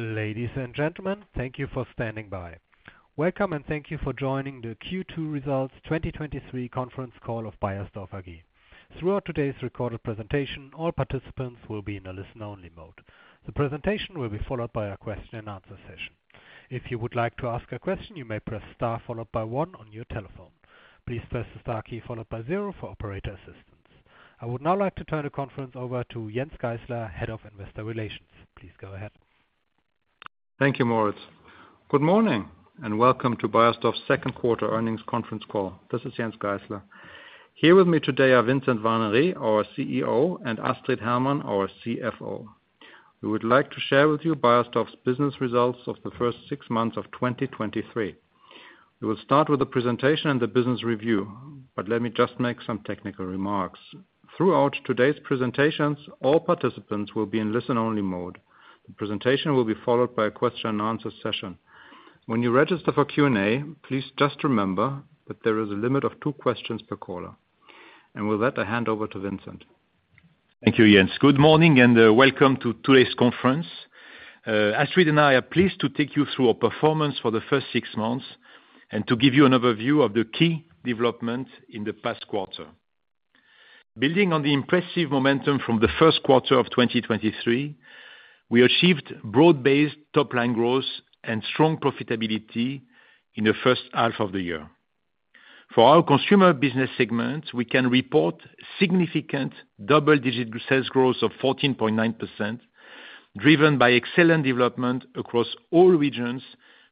Ladies and gentlemen, thank you for standing by. Welcome, and thank you for joining the Q2 Results 2023 Conference Call of Beiersdorf AG. Throughout today's recorded presentation, all participants will be in a listen-only mode. The presentation will be followed by a question-and-answer session. If you would like to ask a question, you may press star followed by one on your telephone. Please press the star key followed by zero for operator assistance. I would now like to turn the conference over to Jens Geissler, Head of Investor Relations. Please go ahead. Thank you, Moritz. Good morning, welcome to Beiersdorf's second quarter earnings conference call. This is Jens Geissler. Here with me today are Vincent Warnery, our CEO, and Astrid Hermann, our CFO. We would like to share with you Beiersdorf's business results of the first six months of 2023. We will start with the presentation and the business review, let me just make some technical remarks. Throughout today's presentations, all participants will be in listen-only mode. The presentation will be followed by a question-and-answer session. When you register for Q&A, please just remember that there is a limit of 2 questions per caller. With that, I hand over to Vincent. Thank you, Jens. Good morning, and welcome to today's conference. Astrid and I are pleased to take you through our performance for the first six months, and to give you an overview of the key development in the past quarter. Building on the impressive momentum from the first quarter of 2023, we achieved broad-based top-line growth and strong profitability in the first half of the year. For our consumer business segment, we can report significant double-digit sales growth of 14.9%, driven by excellent development across all regions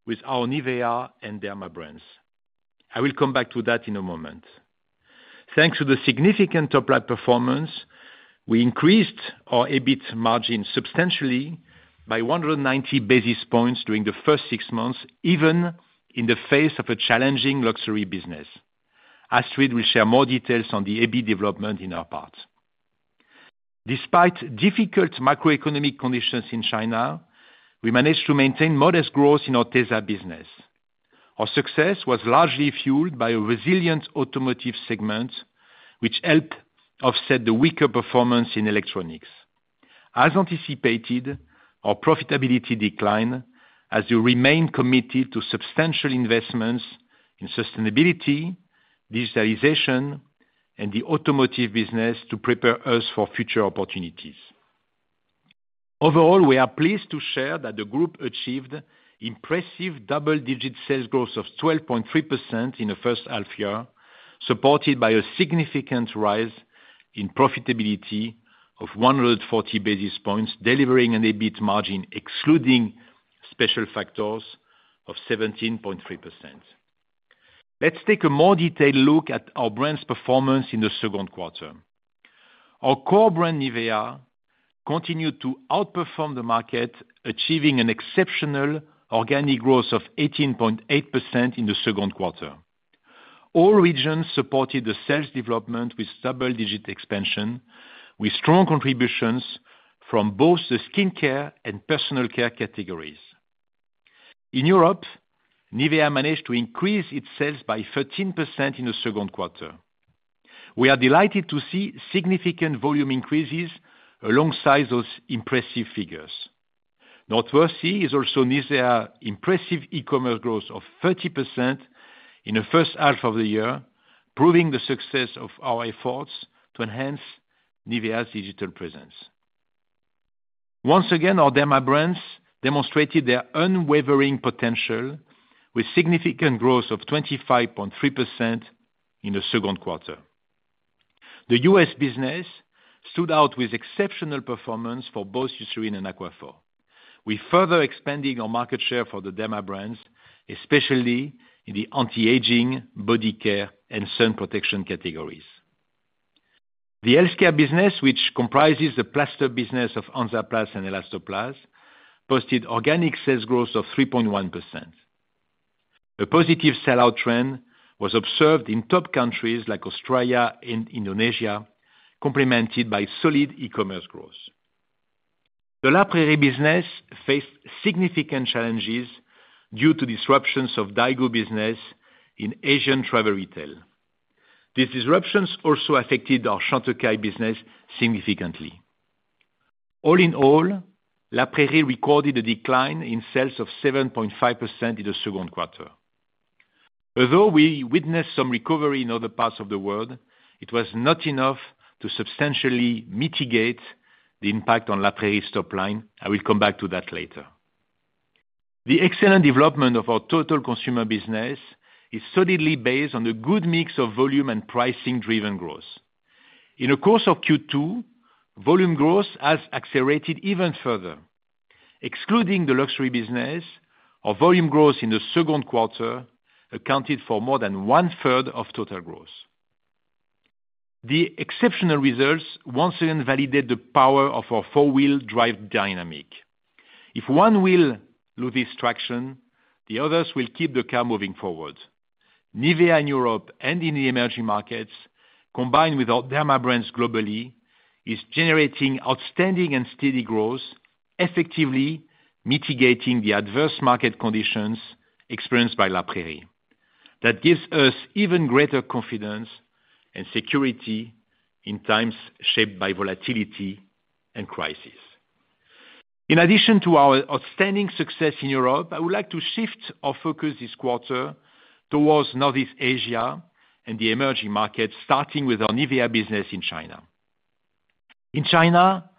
with our NIVEA and derma brands. I will come back to that in a moment. Thanks to the significant top-line performance, we increased our EBIT margin substantially by 190 basis points during the first six months, even in the face of a challenging luxury business. Astrid will share more details on the EBIT development in her part. Despite difficult macroeconomic conditions in China, we managed to maintain modest growth in our tesa business. Our success was largely fueled by a resilient automotive segment, which helped offset the weaker performance in electronics. As anticipated, our profitability declined as we remain committed to substantial investments in sustainability, digitalization, and the automotive business to prepare us for future opportunities. Overall, we are pleased to share that the group achieved impressive double-digit sales growth of 12.3% in the first half year, supported by a significant rise in profitability of 140 basis points, delivering an EBIT margin, excluding special factors, of 17.3%. Let's take a more detailed look at our brand's performance in the second quarter. Our core brand, NIVEA, continued to outperform the market, achieving an exceptional organic growth of 18.8% in the second quarter. All regions supported the sales development with double-digit expansion, with strong contributions from both the skincare and personal care categories. In Europe, NIVEA managed to increase its sales by 13% in the second quarter. We are delighted to see significant volume increases alongside those impressive figures. Noteworthy is also NIVEA impressive e-commerce growth of 30% in the first half of the year, proving the success of our efforts to enhance NIVEA's digital presence. Once again, our Derma brands demonstrated their unwavering potential with significant growth of 25.3% in the second quarter. The U.S. business stood out with exceptional performance for both Eucerin and Aquaphor. We further expanding our market share for the derma brands, especially in the anti-aging, body care, and sun protection categories. The healthcare business, which comprises the plaster business of Hansaplast and Elastoplast, posted organic sales growth of 3.1%. A positive sell-out trend was observed in top countries like Australia and Indonesia, complemented by solid e-commerce growth. The La Prairie business faced significant challenges due to disruptions of Daigou business in Asian travel retail. These disruptions also affected our Chantecaille business significantly. All in all, La Prairie recorded a decline in sales of 7.5% in the second quarter. Although we witnessed some recovery in other parts of the world, it was not enough to substantially mitigate the impact on La Prairie's top line. I will come back to that later. The excellent development of our total consumer business is solidly based on the good mix of volume and pricing-driven growth. In the course of Q2, volume growth has accelerated even further. Excluding the luxury business, our volume growth in the second quarter accounted for more than 1/3 of total growth. The exceptional results once again validate the power of our four-wheel drive dynamic. If one wheel loses traction, the others will keep the car moving forward. NIVEA in Europe and in the emerging markets, combined with our derma brands globally, is generating outstanding and steady growth, effectively mitigating the adverse market conditions experienced by La Prairie. That gives us even greater confidence and security in times shaped by volatility and crisis. In addition to our outstanding success in Europe, I would like to shift our focus this quarter towards Northeast Asia and the emerging markets, starting with our NIVEA business in China. In China,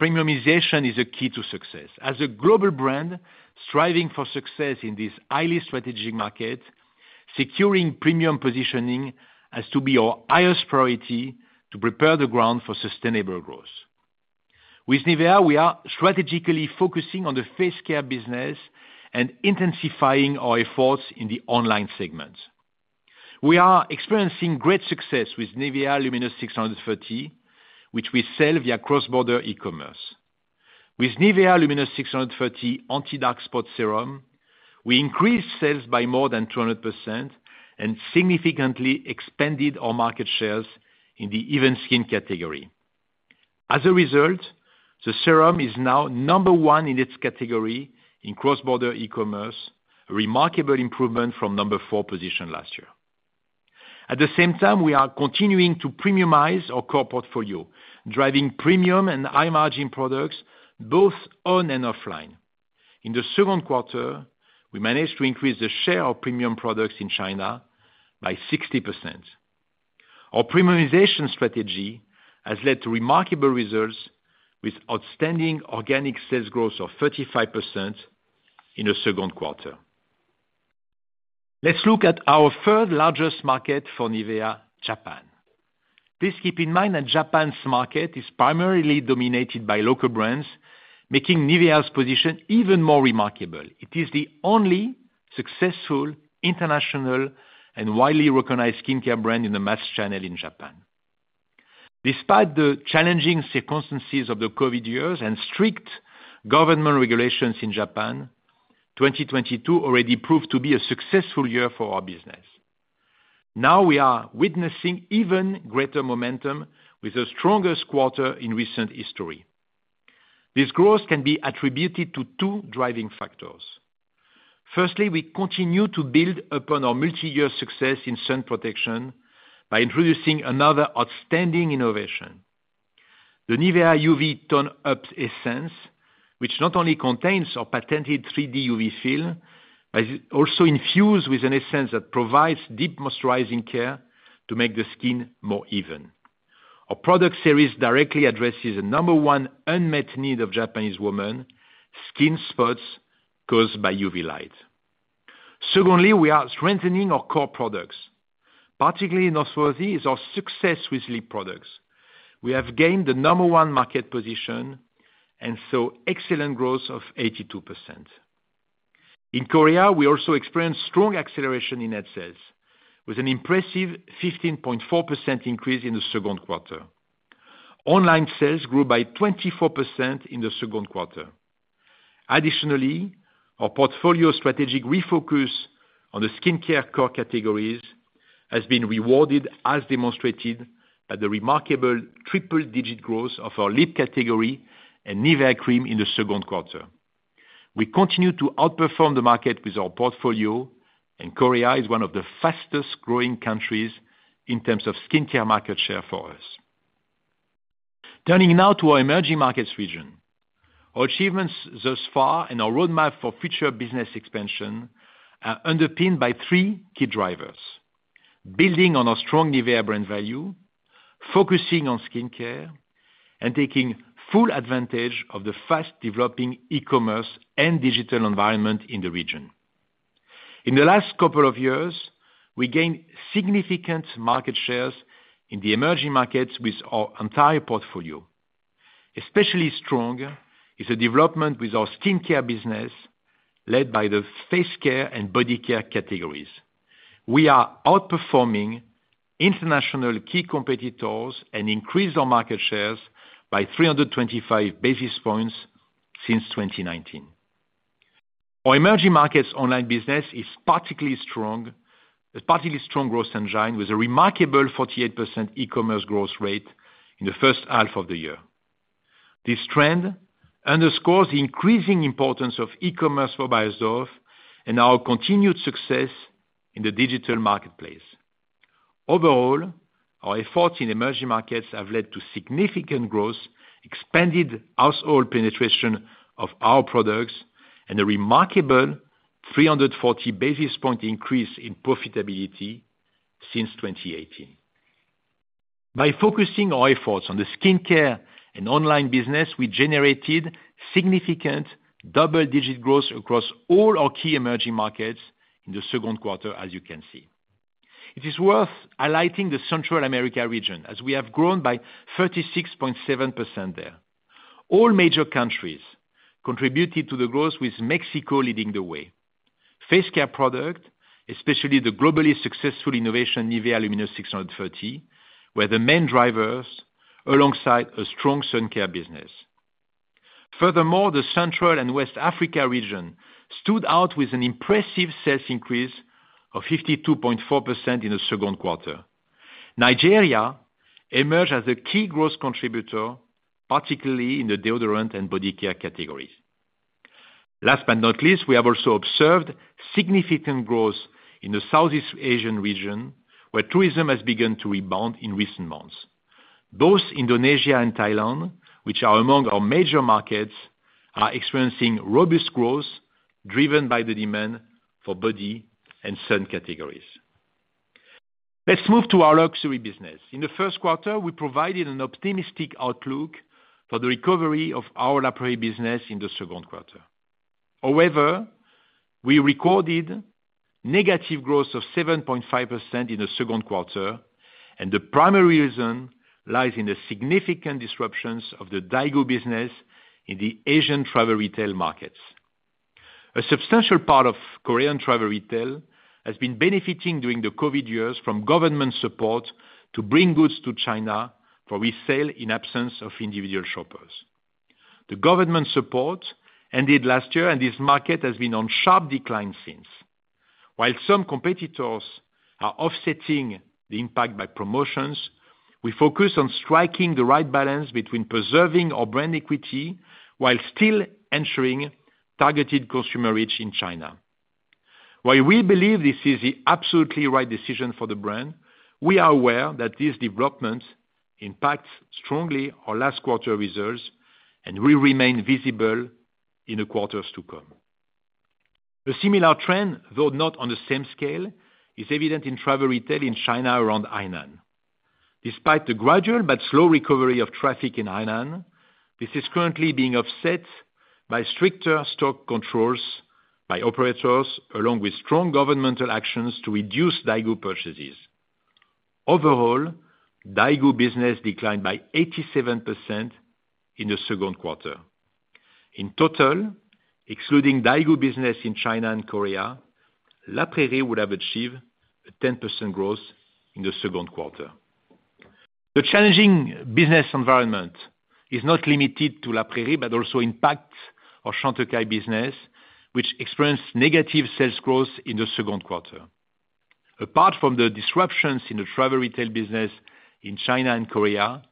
premiumization is a key to success. As a global brand, striving for success in this highly strategic market, securing premium positioning has to be our highest priority to prepare the ground for sustainable growth. With NIVEA, we are strategically focusing on the face care business and intensifying our efforts in the online segment. We are experiencing great success with NIVEA LUMINOUS630, which we sell via cross-border e-commerce. With NIVEA LUMINOUS630 Anti-Dark Spot Serum, we increased sales by more than 200% and significantly expanded our market shares in the even skin category. As a result, the serum is now number one in its category in cross-border e-commerce, a remarkable improvement from number four position last year. At the same time, we are continuing to premiumize our core portfolio, driving premium and high-margin products, both on and offline. In the second quarter, we managed to increase the share of premium products in China by 60%. Our premiumization strategy has led to remarkable results, with outstanding organic sales growth of 35% in the second quarter. Let's look at our third largest market for NIVEA, Japan. Please keep in mind that Japan's market is primarily dominated by local brands, making NIVEA's position even more remarkable. It is the only successful international and widely recognized skincare brand in the mass channel in Japan. Despite the challenging circumstances of the COVID years and strict government regulations in Japan, 2022 already proved to be a successful year for our business. Now we are witnessing even greater momentum with the strongest quarter in recent history. This growth can be attributed to two driving factors. Firstly, we continue to build upon our multi-year success in sun protection by introducing another outstanding innovation, the NIVEA UV Tone-Up Essence, which not only contains our patented 3D UV film, but is also infused with an essence that provides deep moisturizing care to make the skin more even. Our product series directly addresses the number one unmet need of Japanese women, skin spots caused by UV light. Secondly, we are strengthening our core products. Particularly noteworthy is our success with lip products. We have gained the number one market position and saw excellent growth of 82%. In Korea, we also experienced strong acceleration in net sales, with an impressive 15.4% increase in the second quarter. Online sales grew by 24% in the second quarter. Our portfolio strategic refocus on the skincare core categories has been rewarded, as demonstrated at the remarkable triple-digit growth of our lip category and NIVEA cream in the second quarter. We continue to outperform the market with our portfolio, and Korea is one of the fastest-growing countries in terms of skincare market share for us. Turning now to our emerging markets region. Our achievements thus far and our roadmap for future business expansion are underpinned by three key drivers: building on our strong NIVEA brand value, focusing on skincare, and taking full advantage of the fast-developing e-commerce and digital environment in the region. In the last couple of years, we gained significant market shares in the emerging markets with our entire portfolio. Especially strong is the development with our skincare business, led by the face care and body care categories. We are outperforming international key competitors and increase our market shares by 325 basis points since 2019. Our emerging markets online business is particularly strong growth engine, with a remarkable 48% e-commerce growth rate in the first half of the year. This trend underscores the increasing importance of e-commerce for Beiersdorf and our continued success in the digital marketplace. Overall, our efforts in emerging markets have led to significant growth, expanded household penetration of our products, and a remarkable 340 basis point increase in profitability since 2018. By focusing our efforts on the skincare and online business, we generated significant double-digit growth across all our key emerging markets in the second quarter, as you can see. It is worth highlighting the Central America region, as we have grown by 36.7% there. All major countries contributed to the growth, with Mexico leading the way. Face care product, especially the globally successful innovation, NIVEA LUMINOUS630, were the main drivers alongside a strong sun care business. Furthermore, the Central and West Africa region stood out with an impressive sales increase of 52.4% in the second quarter. Nigeria emerged as a key growth contributor, particularly in the deodorant and body care categories. Last but not least, we have also observed significant growth in the Southeast Asian region, where tourism has begun to rebound in recent months. Both Indonesia and Thailand, which are among our major markets, are experiencing robust growth, driven by the demand for body and sun categories. Let's move to our luxury business. In the first quarter, we provided an optimistic outlook for the recovery of our La Prairie business in the second quarter. However, we recorded negative growth of 7.5% in the second quarter. The primary reason lies in the significant disruptions of the Daigou business in the Asian travel retail markets. A substantial part of Korean travel retail has been benefiting during the COVID years from government support to bring goods to China, for we sell in absence of individual shoppers. The government support ended last year. This market has been on sharp decline since. While some competitors are offsetting the impact by promotions, we focus on striking the right balance between preserving our brand equity while still ensuring targeted consumer reach in China. While we believe this is the absolutely right decision for the brand, we are aware that these developments impact strongly our last quarter results and will remain visible in the quarters to come. The similar trend, though not on the same scale, is evident in travel retail in China around Hainan. Despite the gradual but slow recovery of traffic in Hainan, this is currently being offset by stricter stock controls by operators, along with strong governmental actions to reduce Daigou purchases. Overall, Daigou business declined by 87% in the second quarter. In total, excluding Daigou business in China and Korea, La Prairie would have achieved a 10% growth in the second quarter. The challenging business environment is not limited to La Prairie, but also impacts our Chantecaille business, which experienced negative sales growth in the second quarter. Apart from the disruptions in the travel retail business in China and Korea,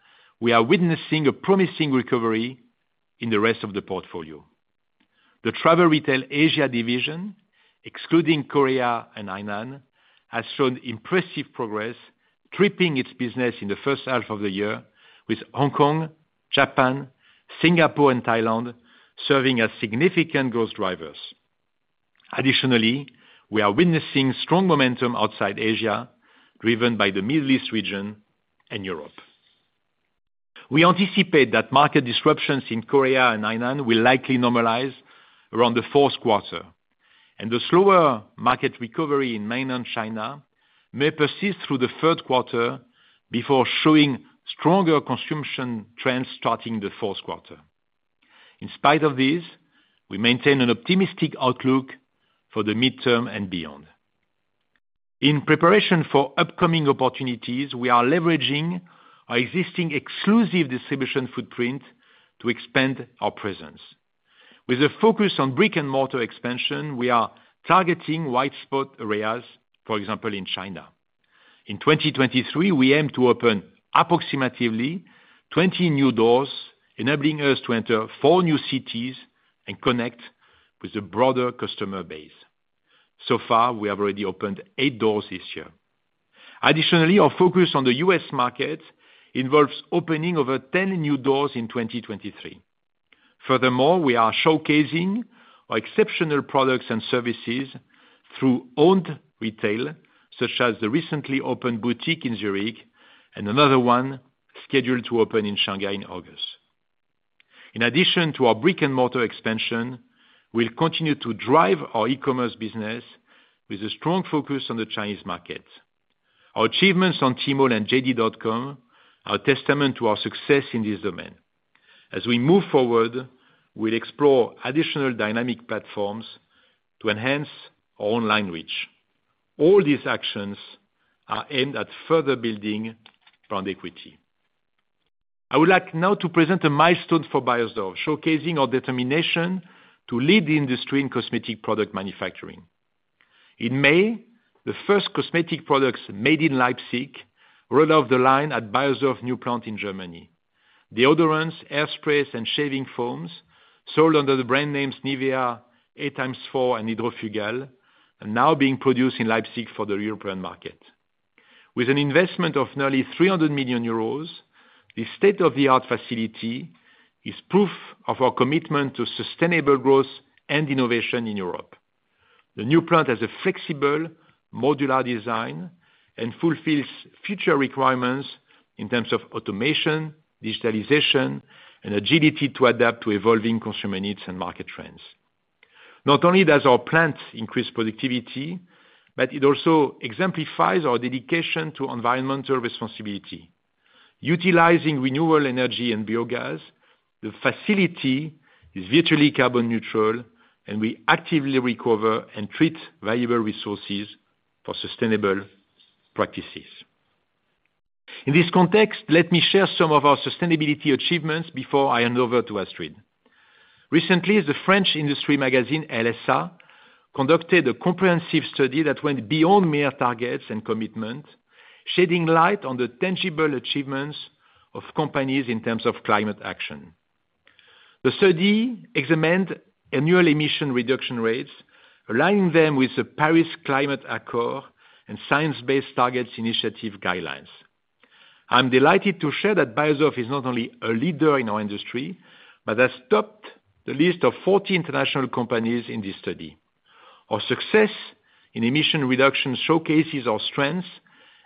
we are witnessing a promising recovery in the rest of the portfolio. The travel retail Asia division, excluding Korea and Hainan, has shown impressive progress, tripling its business in the first half of the year with Hong Kong, Japan, Singapore, and Thailand serving as significant growth drivers. Additionally, we are witnessing strong momentum outside Asia, driven by the Middle East region and Europe. We anticipate that market disruptions in Korea and Hainan will likely normalize around the fourth quarter, and the slower market recovery in mainland China may persist through the third quarter before showing stronger consumption trends starting the fourth quarter. In spite of this, we maintain an optimistic outlook for the midterm and beyond. In preparation for upcoming opportunities, we are leveraging our existing exclusive distribution footprint to expand our presence. With a focus on brick-and-mortar expansion, we are targeting white spot areas, for example, in China. In 2023, we aim to open approximately 20 new doors, enabling us to enter four new cities and connect with a broader customer base. So far, we have already opened eight doors this year. Additionally, our focus on the U.S. market involves opening over 10 new doors in 2023. Furthermore, we are showcasing our exceptional products and services through owned retail, such as the recently opened boutique in Zurich and another one scheduled to open in Shanghai in August. In addition to our brick-and-mortar expansion, we'll continue to drive our e-commerce business with a strong focus on the Chinese market. Our achievements on Tmall and JD.com are testament to our success in this domain. As we move forward, we'll explore additional dynamic platforms to enhance our online reach. All these actions are aimed at further building brand equity. I would like now to present a milestone for Beiersdorf, showcasing our determination to lead the industry in cosmetic product manufacturing. In May, the first cosmetic products made in Leipzig roll off the line at Beiersdorf new plant in Germany. Deodorants, hairsprays, and shaving foams sold under the brand names NIVEA, 8X4, and Hidrofugal, are now being produced in Leipzig for the European market. With an investment of nearly 300 million euros, the state-of-the-art facility is proof of our commitment to sustainable growth and innovation in Europe. The new plant has a flexible, modular design and fulfills future requirements in terms of automation, digitalization, and agility to adapt to evolving consumer needs and market trends. Not only does our plant increase productivity, but it also exemplifies our dedication to environmental responsibility. Utilizing renewable energy and biogas, the facility is virtually carbon neutral, and we actively recover and treat valuable resources for sustainable practices. In this context, let me share some of our sustainability achievements before I hand over to Astrid. Recently, the French industry magazine, LSA-... conducted a comprehensive study that went beyond mere targets and commitment, shedding light on the tangible achievements of companies in terms of climate action. The study examined annual emission reduction rates, aligning them with the Paris Climate Accord and Science-Based Targets Initiative guidelines. I'm delighted to share that Beiersdorf is not only a leader in our industry, but has topped the list of 40 international companies in this study. Our success in emission reduction showcases our strengths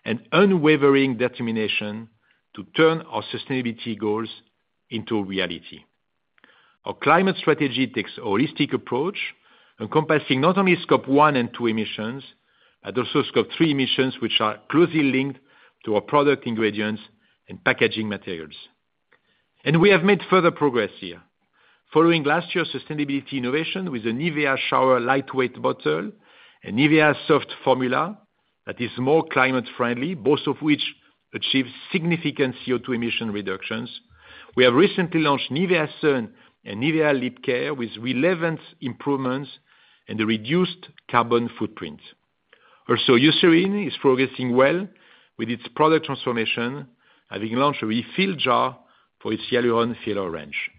and unwavering determination to turn our sustainability goals into a reality. Our climate strategy takes a holistic approach, encompassing not only scope one and two emissions, but also scope three emissions, which are closely linked to our product ingredients and packaging materials. We have made further progress here. Following last year's sustainability innovation with the NIVEA shower lightweight bottle and NIVEA soft formula that is more climate friendly, both of which achieve significant CO2 emission reductions. We have recently launched NIVEA Sun and NIVEA Lip Care with relevant improvements and a reduced carbon footprint. Also, Eucerin is progressing well with its product transformation, having launched a refill jar for its Hyaluron-Filler range.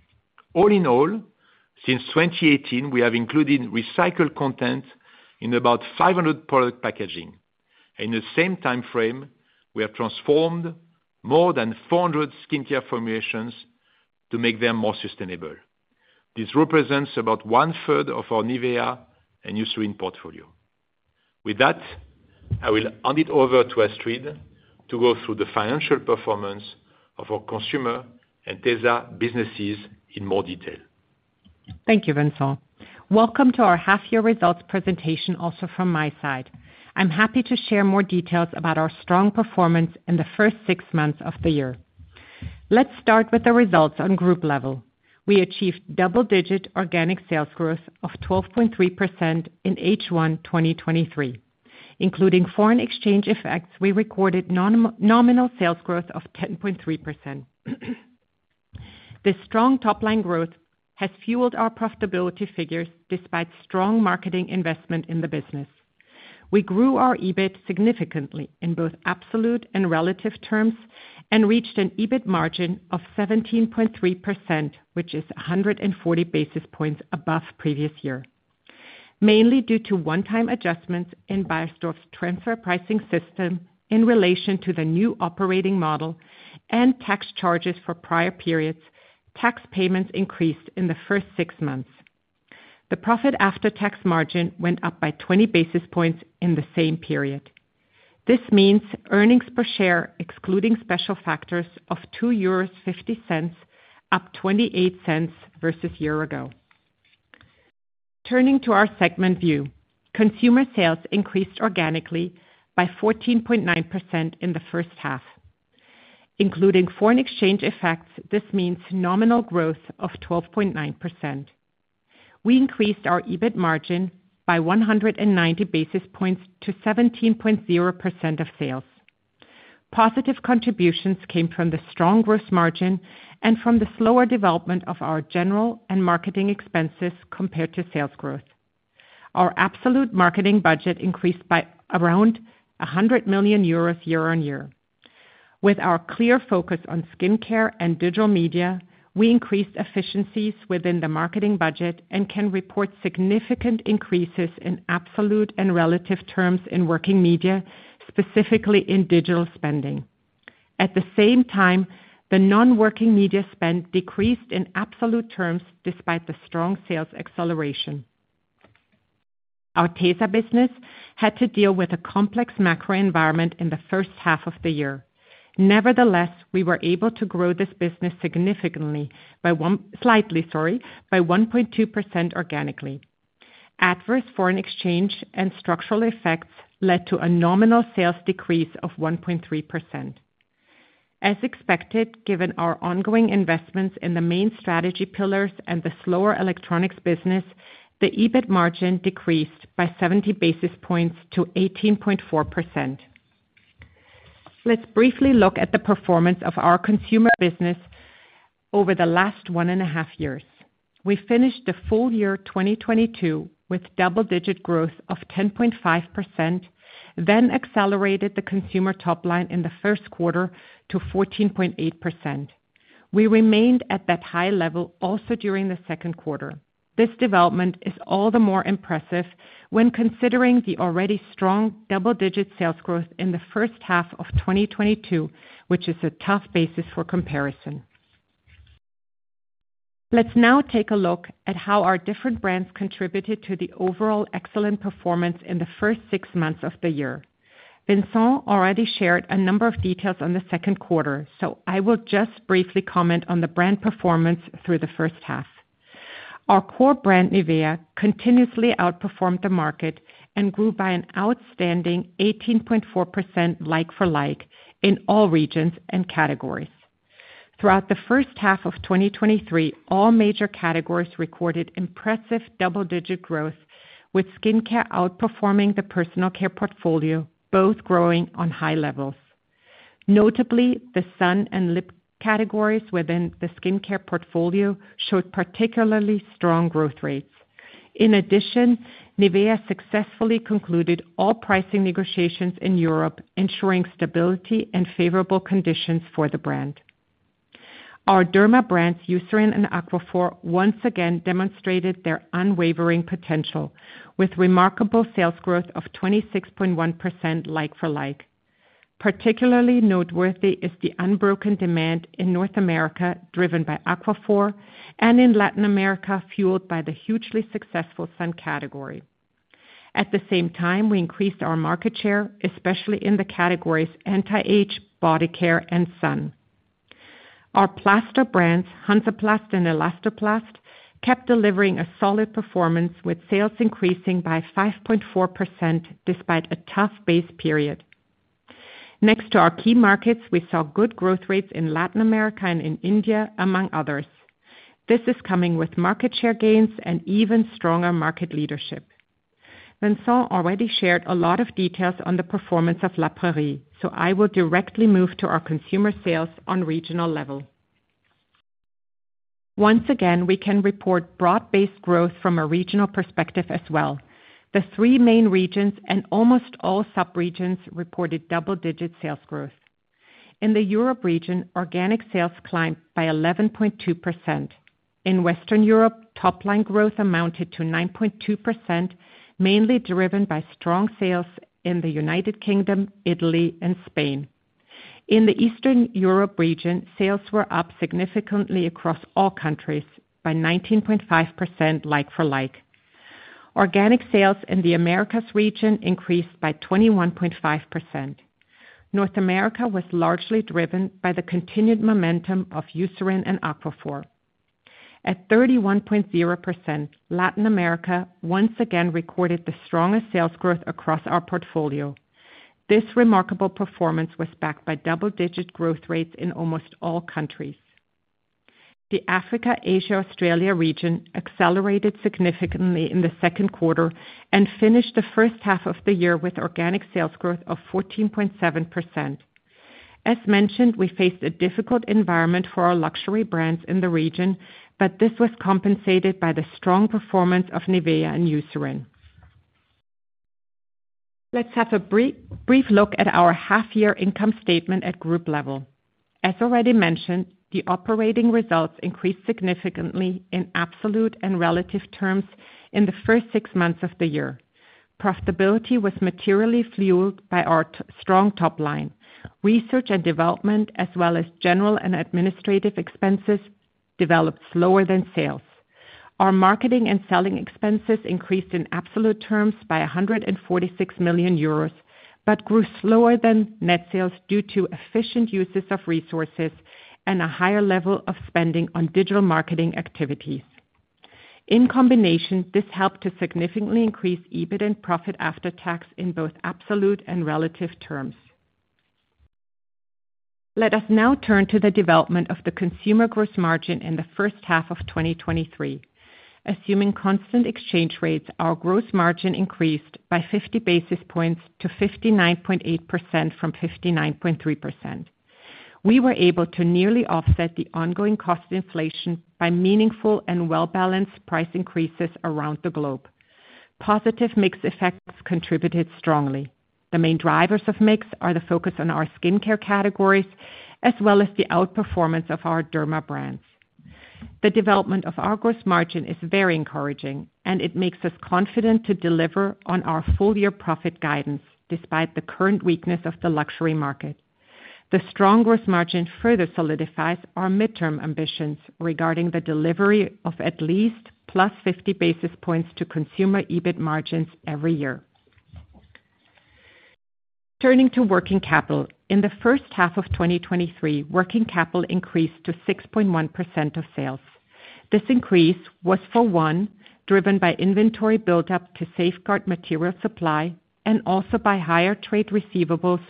All in all, since 2018, we have included recycled content in about 500 product packaging. In the same time frame, we have transformed more than 400 skincare formulations to make them more sustainable. This represents about 1/3 of our NIVEA and Eucerin portfolio. With that, I will hand it over to Astrid to go through the financial performance of our consumer and tesa businesses in more detail. Thank you, Vincent. Welcome to our half-year results presentation also from my side. I'm happy to share more details about our strong performance in the first six months of the year. Let's start with the results on group level. We achieved double-digit organic sales growth of 12.3% in H1, 2023. Including foreign exchange effects, we recorded nominal sales growth of 10.3%. This strong top-line growth has fueled our profitability figures, despite strong marketing investment in the business. We grew our EBIT significantly in both absolute and relative terms, and reached an EBIT margin of 17.3%, which is 140 basis points above previous year. Mainly due to one-time adjustments in Beiersdorf's transfer pricing system in relation to the new operating model and tax charges for prior periods, tax payments increased in the first six months. The profit after tax margin went up by 20 basis points in the same period. This means earnings per share, excluding special factors, of 2.50 euros, up 0.28 versus year-ago. Turning to our segment view, consumer sales increased organically by 14.9% in the first half. Including foreign exchange effects, this means nominal growth of 12.9%. We increased our EBIT margin by 190 basis points to 17.0% of sales. Positive contributions came from the strong growth margin and from the slower development of our general and marketing expenses compared to sales growth. Our absolute marketing budget increased by around 100 million euros year-on-year. With our clear focus on skincare and digital media, we increased efficiencies within the marketing budget and can report significant increases in absolute and relative terms in working media, specifically in digital spending. At the same time, the non-working media spend decreased in absolute terms, despite the strong sales acceleration. Our tesa business had to deal with a complex macro environment in the first half of the year. Nevertheless, we were able to grow this business slightly, by 1.2% organically. Adverse foreign exchange and structural effects led to a nominal sales decrease of 1.3%. As expected, given our ongoing investments in the main strategy pillars and the slower electronics business, the EBIT margin decreased by 70 basis points to 18.4%. Let's briefly look at the performance of our consumer business over the last one and a half years. We finished the full year 2022 with double-digit growth of 10.5%, then accelerated the consumer top line in the 1st quarter to 14.8%. We remained at that high level also during the second quarter. This development is all the more impressive when considering the already strong double-digit sales growth in the first half of 2022, which is a tough basis for comparison. Let's now take a look at how our different brands contributed to the overall excellent performance in the first six months of the year. Vincent already shared a number of details on the second quarter, I will just briefly comment on the brand performance through the first half. Our core brand, NIVEA, continuously outperformed the market and grew by an outstanding 18.4% like-for-like in all regions and categories. Throughout the first half of 2023, all major categories recorded impressive double-digit growth, with skincare outperforming the personal care portfolio, both growing on high levels. Notably, the sun and lip categories within the skincare portfolio showed particularly strong growth rates. In addition, NIVEA successfully concluded all pricing negotiations in Europe, ensuring stability and favorable conditions for the brand. Our derma brands, Eucerin and Aquaphor, once again demonstrated their unwavering potential, with remarkable sales growth of 26.1% like-for-like. Particularly noteworthy is the unbroken demand in North America, driven by Aquaphor, and in Latin America, fueled by the hugely successful sun category. At the same time, we increased our market share, especially in the categories anti-age, body care, and sun. Our plaster brands, Hansaplast and Elastoplast, kept delivering a solid performance, with sales increasing by 5.4% despite a tough base period. Next to our key markets, we saw good growth rates in Latin America and in India, among others. This is coming with market share gains and even stronger market leadership. Vincent already shared a lot of details on the performance of La Prairie, so I will directly move to our consumer sales on regional level. Once again, we can report broad-based growth from a regional perspective as well. The three main regions and almost all sub-regions reported double-digit sales growth. In the Europe region, organic sales climbed by 11.2%. In Western Europe, top-line growth amounted to 9.2%, mainly driven by strong sales in the United Kingdom, Italy, and Spain. In the Eastern Europe region, sales were up significantly across all countries by 19.5% like-for-like. Organic sales in the Americas region increased by 21.5%. North America was largely driven by the continued momentum of Eucerin and Aquaphor. At 31.0%, Latin America once again recorded the strongest sales growth across our portfolio. This remarkable performance was backed by double-digit growth rates in almost all countries. The Africa, Asia, Australia region accelerated significantly in the second quarter and finished the first half of the year with organic sales growth of 14.7%. As mentioned, we faced a difficult environment for our luxury brands in the region, but this was compensated by the strong performance of NIVEA and Eucerin. Let's have a brief look at our half-year income statement at group level. As already mentioned, the operating results increased significantly in absolute and relative terms in the first six months of the year. Profitability was materially fueled by our strong top line. Research and development, as well as general and administrative expenses, developed slower than sales. Our marketing and selling expenses increased in absolute terms by 146 million euros, but grew slower than net sales due to efficient uses of resources and a higher level of spending on digital marketing activities. In combination, this helped to significantly increase EBIT and profit after tax in both absolute and relative terms. Let us now turn to the development of the consumer growth margin in the first half of 2023. Assuming constant exchange rates, our growth margin increased by 50 basis points to 59.8% from 59.3%. We were able to nearly offset the ongoing cost inflation by meaningful and well-balanced price increases around the globe. Positive mix effects contributed strongly. The main drivers of mix are the focus on our skincare categories, as well as the outperformance of our derma brands. The development of our growth margin is very encouraging, and it makes us confident to deliver on our full-year profit guidance, despite the current weakness of the luxury market. The strong growth margin further solidifies our midterm ambitions regarding the delivery of at least +50 basis points to consumer EBIT margins every year. Turning to working capital. In the first half of 2023, working capital increased to 6.1% of sales. This increase was, for one, driven by inventory buildup to safeguard material supply and also by higher trade receivables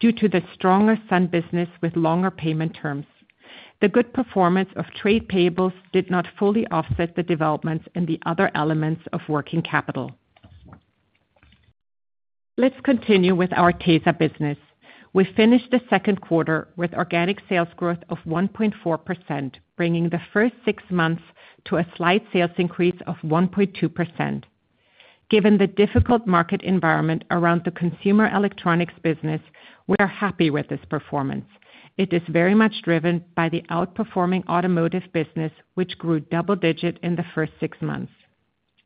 due to the stronger sun business with longer payment terms. The good performance of trade payables did not fully offset the developments in the other elements of working capital. Let's continue with our tesa business. We finished the second quarter with organic sales growth of 1.4%, bringing the first six months to a slight sales increase of 1.2%. Given the difficult market environment around the consumer electronics business, we are happy with this performance. It is very much driven by the outperforming automotive business, which grew double-digit in the first six months.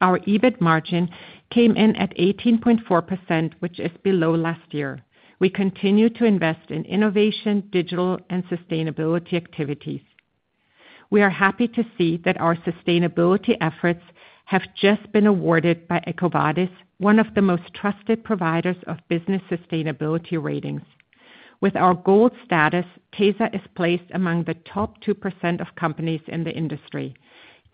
Our EBIT margin came in at 18.4%, which is below last year. We continue to invest in innovation, digital, and sustainability activities. We are happy to see that our sustainability efforts have just been awarded by EcoVadis, one of the most trusted providers of business sustainability ratings. With our gold status, tesa is placed among the top 2% of companies in the industry.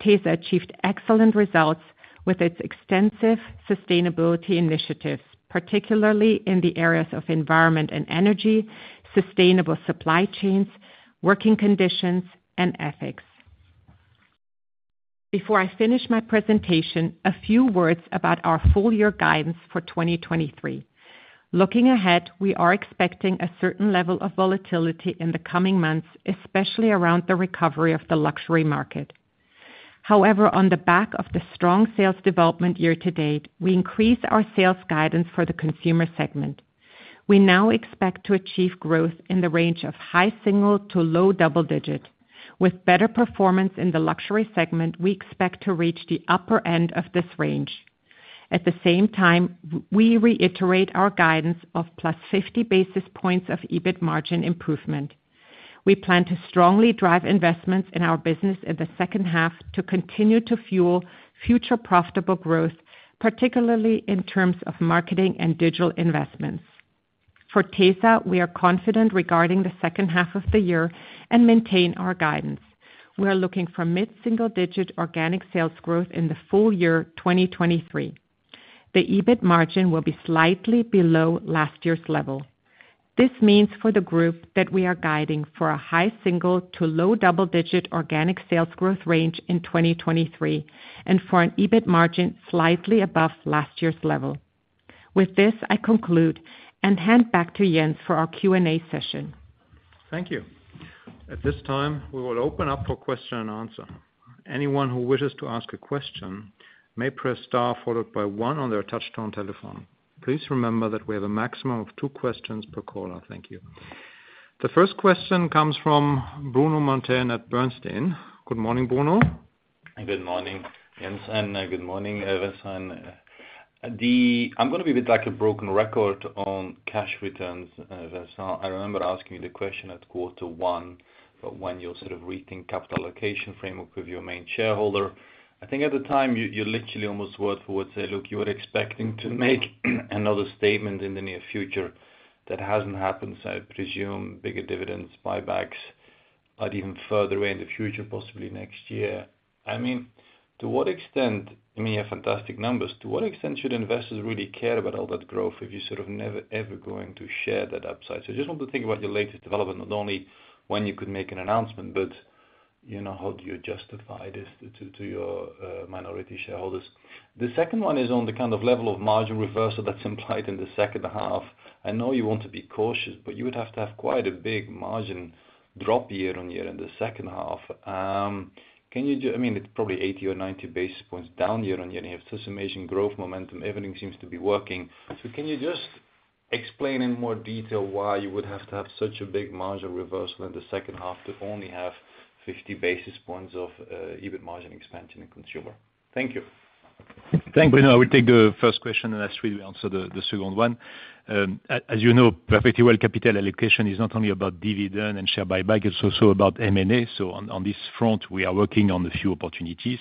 tesa achieved excellent results with its extensive sustainability initiatives, particularly in the areas of environment and energy, sustainable supply chains, working conditions, and ethics.... Before I finish my presentation, a few words about our full-year guidance for 2023. Looking ahead, we are expecting a certain level of volatility in the coming months, especially around the recovery of the luxury market. On the back of the strong sales development year to date, we increase our sales guidance for the consumer segment. We now expect to achieve growth in the range of high single- to low double-digit. With better performance in the luxury segment, we expect to reach the upper end of this range. At the same time, we reiterate our guidance of +50 basis points of EBIT margin improvement. We plan to strongly drive investments in our business in the second half to continue to fuel future profitable growth, particularly in terms of marketing and digital investments. For tesa, we are confident regarding the second half of the year and maintain our guidance. We are looking for mid-single-digit organic sales growth in the full year 2023. The EBIT margin will be slightly below last year's level. This means for the group, that we are guiding for a high single to low double digit organic sales growth range in 2023, and for an EBIT margin slightly above last year's level. With this, I conclude and hand back to Jens for our Q&A session. Thank you. At this time, we will open up for question-and-answer. Anyone who wishes to ask a question, may press star followed by one on their touchtone telephone. Please remember that we have a maximum of two questions per caller. Thank you. The first question comes from Bruno Monteyne at Bernstein. Good morning, Bruno. Good morning, Jens, good morning, everyone. I'm gonna be a bit like a broken record on cash returns, so I remember asking you the question at quarter one, but when you'll sort of rethink capital allocation framework with your main shareholder. I think at the time, you, you literally almost word for word, said, "Look, you are expecting to make another statement in the near future." That hasn't happened, I presume bigger dividends, buybacks, are even further away in the future, possibly next year. I mean, to what extent, I mean, you have fantastic numbers, to what extent should investors really care about all that growth if you're sort of never, ever going to share that upside? I just want to think about your latest development, not only when you could make an announcement, but, you know, how do you justify this to your minority shareholders? The second one is on the kind of level of margin reversal that's implied in the second half. I know you want to be cautious, but you would have to have quite a big margin drop year-on-year in the second half. Can you I mean, it's probably 80 or 90 basis points down year-on-year, and you have such amazing growth momentum. Everything seems to be working. Can you just explain in more detail why you would have to have such a big margin reversal in the second half to only have 50 basis points of EBIT margin expansion in consumer? Thank you. Thank you, Bruno. I will take the first question, and Astrid will answer the second one. As you know, perfectly well, capital allocation is not only about dividend and share buyback, it's also about M&A, so on this front, we are working on a few opportunities.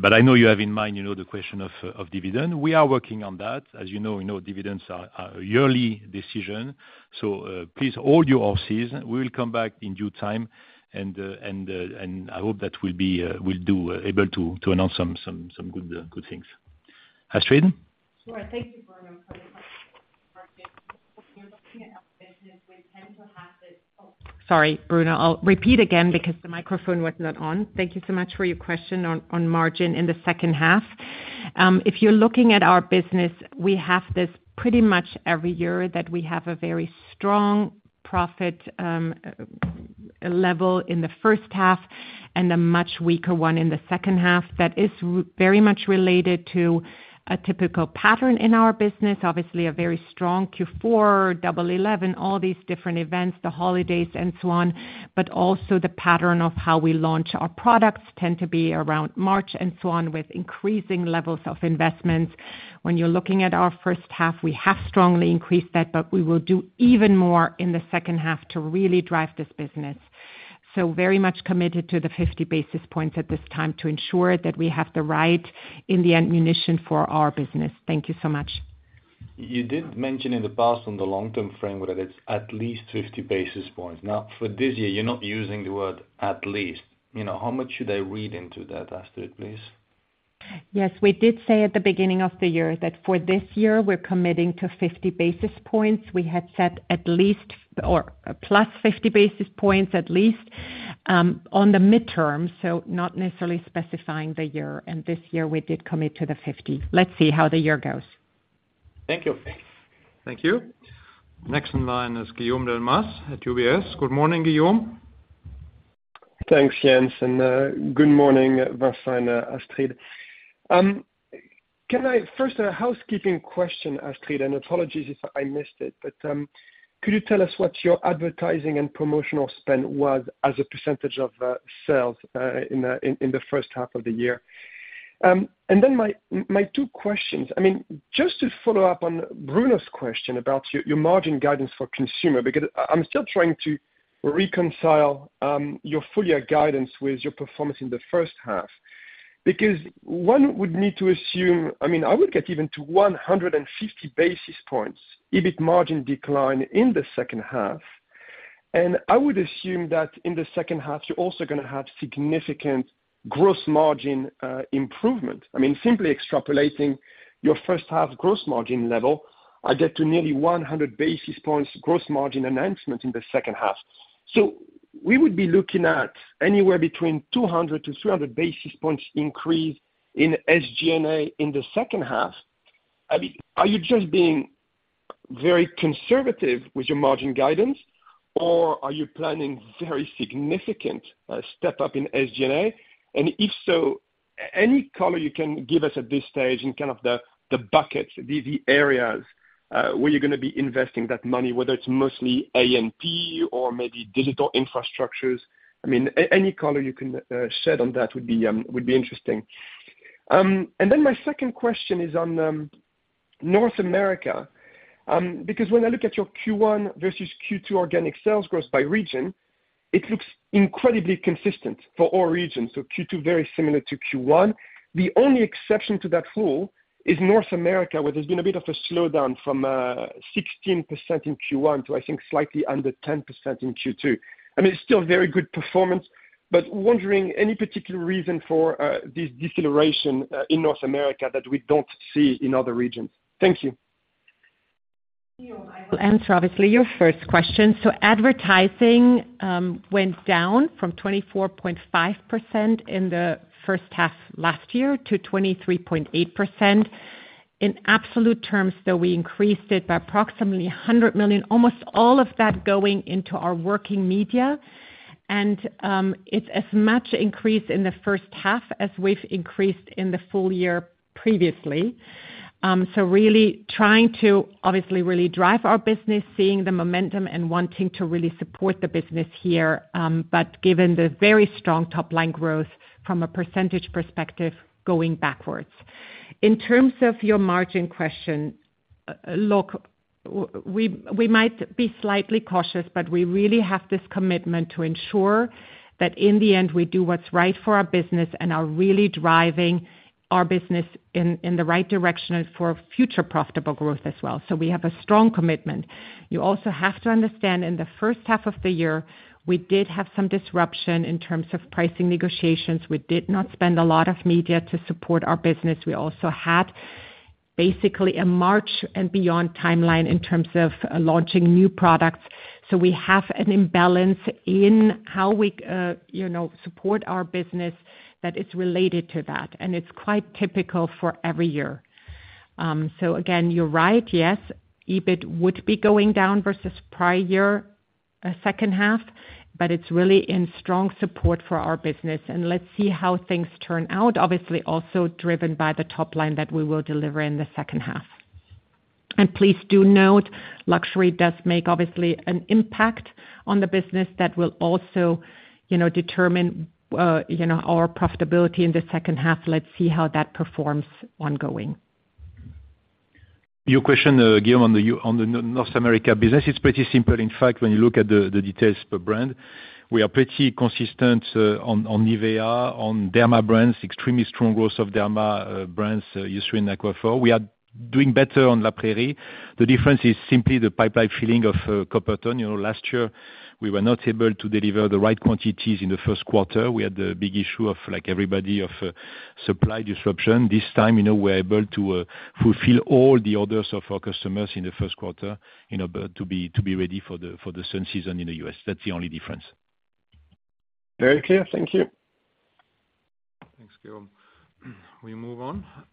But I know you have in mind, you know, the question of dividend. We are working on that. As you know, you know, dividends are a yearly decision, so please all you all sees, we will come back in due time, and I hope that we'll do able to announce some good things. Astrid? Sure. Thank you, Bruno, for the question. We're looking at business, we tend to have this... Oh, sorry, Bruno, I'll repeat again because the microphone was not on. Thank you so much for your question on, on margin in the second half. If you're looking at our business, we have this pretty much every year, that we have a very strong profit level in the first half, and a much weaker one in the second half. That is very much related to a typical pattern in our business, obviously a very strong Q4, double eleven, all these different events, the holidays and so on, but also the pattern of how we launch our products tend to be around March and so on, with increasing levels of investments. When you're looking at our first half, we have strongly increased that, but we will do even more in the second half to really drive this business. Very much committed to the 50 basis points at this time to ensure that we have the right in the ammunition for our business. Thank you so much. You did mention in the past, on the long-term framework, that it's at least 50 basis points. For this year, you're not using the word at least. You know, how much should I read into that, Astrid, please? Yes, we did say at the beginning of the year, that for this year, we're committing to 50 basis points. We had set at least, or +50 basis points at least, on the midterm, so not necessarily specifying the year. This year we did commit to the 50. Let's see how the year goes. Thank you. Thank you. Next in line is Guillaume Delmas at UBS. Good morning, Guillaume. Thanks, Jens, and good morning, Vincent, Astrid. Can I-- First, a housekeeping question, Astrid, and apologies if I missed it, but could you tell us what your advertising and promotional spend was as a percentage of sales in the first half of the year? And then my, my two questions. I mean, just to follow up on Bruno's question about your, your margin guidance for consumer, because I'm still trying to reconcile your full year guidance with your performance in the first half. One would need to assume, I mean, I would get even to 150 basis points, EBIT margin decline in the second half, and I would assume that in the second half, you're also gonna have significant gross margin improvement. I mean, simply extrapolating your first half gross margin level, I get to nearly 100 basis points gross margin announcement in the second half. We would be looking at anywhere between 200 to 300 basis points increase in SG&A in the second half? I mean, are you just being very conservative with your margin guidance, or are you planning very significant step up in SG&A? If so, any color you can give us at this stage in kind of the, the buckets, the, the areas where you're gonna be investing that money, whether it's mostly A&P or maybe digital infrastructures? I mean, any color you can shed on that would be interesting. My second question is on North America. Because when I look at your Q1 versus Q2 organic sales growth by region, it looks incredibly consistent for all regions. Q2, very similar to Q1. The only exception to that rule is North America, where there's been a bit of a slowdown from 16% in Q1 to, I think, slightly under 10% in Q2. I mean, it's still very good performance, but wondering any particular reason for this deceleration in North America that we don't see in other regions? Thank you. I will answer, obviously, your first question. Advertising went down from 24.5% in the first half last year to 23.8%. In absolute terms, though, we increased it by approximately 100 million, almost all of that going into our working media, and it's as much increase in the first half as we've increased in the full year previously. Really trying to obviously really drive our business, seeing the momentum, and wanting to really support the business here, but given the very strong top-line growth from a percentage perspective, going backwards. In terms of your margin question, look, we might be slightly cautious, but we really have this commitment to ensure that in the end, we do what's right for our business and are really driving our business in, in the right direction and for future profitable growth as well. We have a strong commitment. You also have to understand, in the first half of the year, we did have some disruption in terms of pricing negotiations. We did not spend a lot of media to support our business. We also had basically a March and beyond timeline in terms of launching new products. We have an imbalance in how we, you know, support our business that is related to that, and it's quite typical for every year. Again, you're right, yes, EBIT would be going down versus prior year, second half, but it's really in strong support for our business, and let's see how things turn out, obviously also driven by the top line that we will deliver in the second half. Please do note, luxury does make obviously an impact on the business that will also, you know, determine, you know, our profitability in the second half. Let's see how that performs ongoing. Your question again on the North America business, it's pretty simple. In fact, when you look at the details per brand, we are pretty consistent on NIVEA, on derma brands, extremely strong growth of derma brands, Eucerin, Aquaphor. We are doing better on La Prairie. The difference is simply the pipeline filling of Coppertone. You know, last year, we were not able to deliver the right quantities in the first quarter. We had the big issue of, like everybody, of supply disruption. This time, you know, we're able to fulfill all the orders of our customers in the first quarter, in order to be ready for the sun season in the U.S. That's the only difference. Very clear. Thank you. Thanks, Guillaume. We move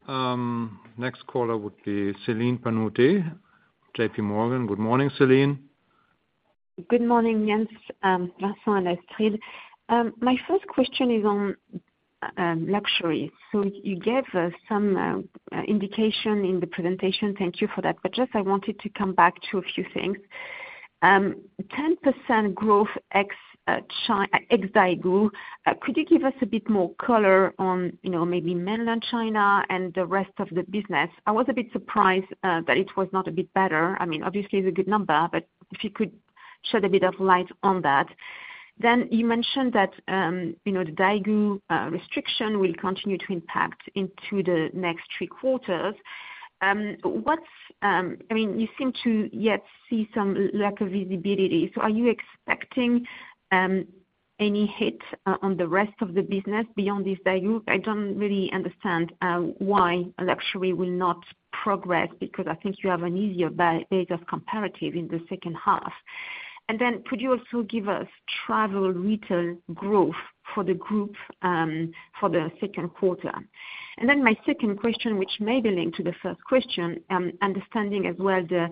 on. Next caller would be Celine Pannuti, JPMorgan. Good morning, Celine. Good morning, Jens, Vincent, and Astrid. My first question is on luxury. You gave some indication in the presentation. Thank you for that, but just I wanted to come back to a few things. 10% growth ex Chi- ex Daigou. Could you give us a bit more color on, you know, maybe mainland China and the rest of the business? I was a bit surprised that it was not a bit better. I mean, obviously, it's a good number, but if you could shed a bit of light on that. You mentioned that, you know, the Daigou restriction will continue to impact into the next three quarters. What's... I mean, you seem to yet see some lack of visibility? Are you expecting any hit on the rest of the business beyond this Daigou? I don't really understand why luxury will not progress, because I think you have an easier base of comparative in the second half. Could you also give us travel retail growth for the group for the second quarter? My second question, which may be linked to the first question, understanding as well the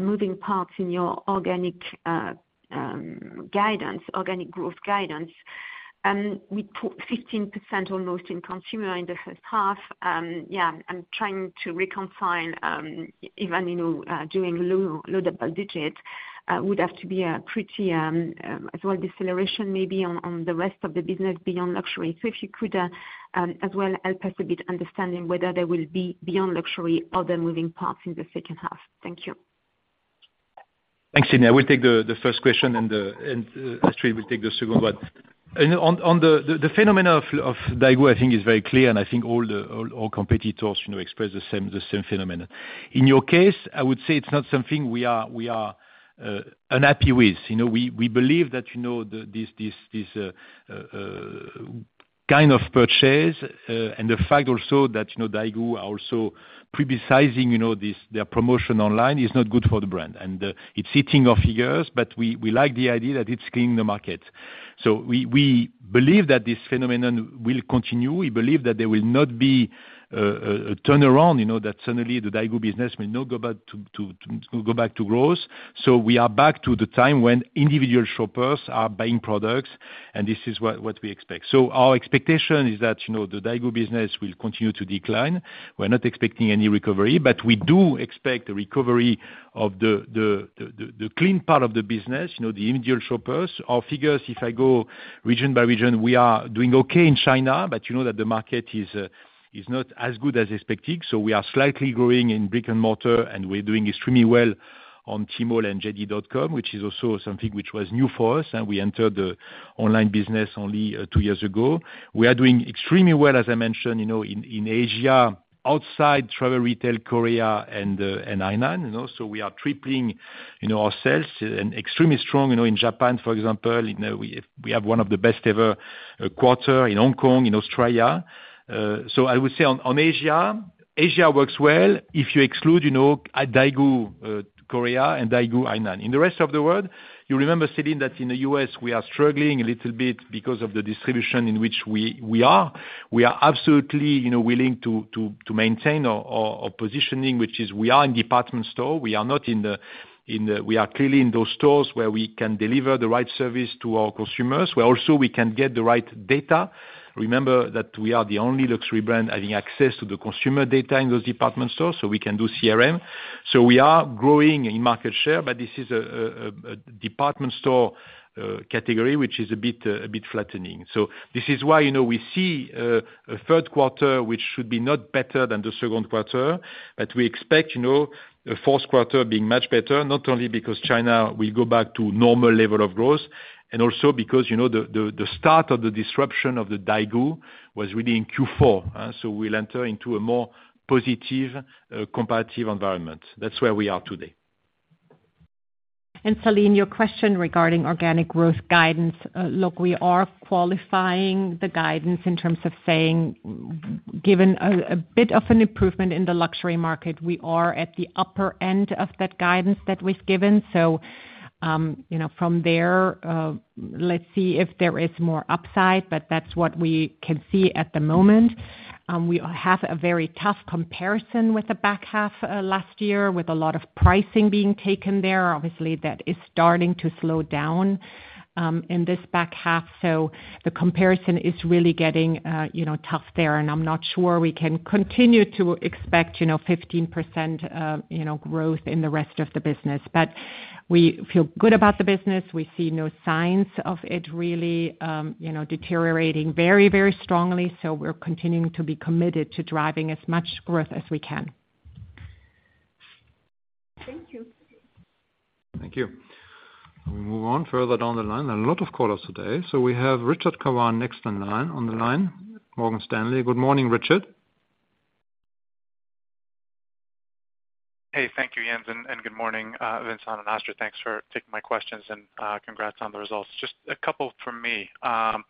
moving parts in your organic guidance, organic growth guidance. We put 15% almost in consumer in the first half. Yeah, I'm trying to reconcile, even, you know, doing low, low double digits would have to be a pretty as well deceleration maybe on the rest of the business beyond luxury. If you could, as well, help us a bit understanding whether there will be, beyond luxury, other moving parts in the second half. Thank you. Thanks, Celine. I will take the, the first question and, and Astrid will take the second one. You know, on, on the, the, the phenomena of, of Daigou, I think is very clear, and I think all competitors, you know, express the same, the same phenomenon. In your case, I would say it's not something we are, we are unhappy with. You know, we, we believe that, you know, the, this, this, this kind of purchase, and the fact also that, you know, Daigou are also publicizing, you know, this, their promotion online is not good for the brand, and it's hitting a few years, but we, we like the idea that it's cleaning the market. We, we believe that this phenomenon will continue. We believe that there will not be a turnaround, you know, that suddenly the Daigou business may not go back to growth. We are back to the time when individual shoppers are buying products, and this is what, what we expect. Our expectation is that, you know, the Daigou business will continue to decline. We're not expecting any recovery, but we do expect a recovery of the clean part of the business, you know, the individual shoppers. Our figures, if I go region by region, we are doing okay in China, but you know that the market is not as good as expected. We are slightly growing in brick and mortar, and we're doing extremely well on Tmall and JD.com, which is also something which was new for us, and we entered the online business only 2 years ago. We are doing extremely well, as I mentioned, you know, in, in Asia, outside travel, retail, Korea, and Hainan, you know, so we are tripling, you know, our sales. Extremely strong, you know, in Japan, for example, you know, we, we have one of the best ever quarter in Hong Kong, in Australia. I would say on, on Asia, Asia works well if you exclude, you know, Daigou, Korea and Daigou Hainan. In the rest of the world, you remember, Celine, that in the U.S. we are struggling a little bit because of the distribution in which we, we are. We are absolutely, you know, willing to, to, to maintain our, our, our positioning, which is we are in department store. We are not. We are clearly in those stores where we can deliver the right service to our consumers, where also we can get the right data. Remember that we are the only luxury brand having access to the consumer data in those department stores, so we can do CRM. We are growing in market share. This is a, a, a, a department store category, which is a bit a bit flattening. This is why, you know, we see a third quarter, which should be not better than the second quarter, but we expect, you know, the fourth quarter being much better, not only because China will go back to normal level of growth, and also because, you know, the, the, the start of the disruption of the Daigou was really in Q4. We'll enter into a more positive competitive environment. That's where we are today. Celine, your question regarding organic growth guidance. Look, we are qualifying the guidance in terms of saying, given a bit of an improvement in the luxury market, we are at the upper end of that guidance that we've given. From there, you know, let's see if there is more upside, but that's what we can see at the moment. We have a very tough comparison with the back half last year, with a lot of pricing being taken there. Obviously, that is starting to slow down in this back half. The comparison is really getting, you know, tough there, and I'm not sure we can continue to expect, you know, 15% growth in the rest of the business. We feel good about the business. We see no signs of it really, you know, deteriorating very, very strongly, so we're continuing to be committed to driving as much growth as we can. Thank you. Thank you. We move on further down the line. A lot of callers today. We have Rashad Kawan next in line, on the line, Morgan Stanley. Good morning, Richard. Hey, thank you, Jens, and good morning, Vincent and Astrid. Thanks for taking my questions and congrats on the results. Just a couple from me. On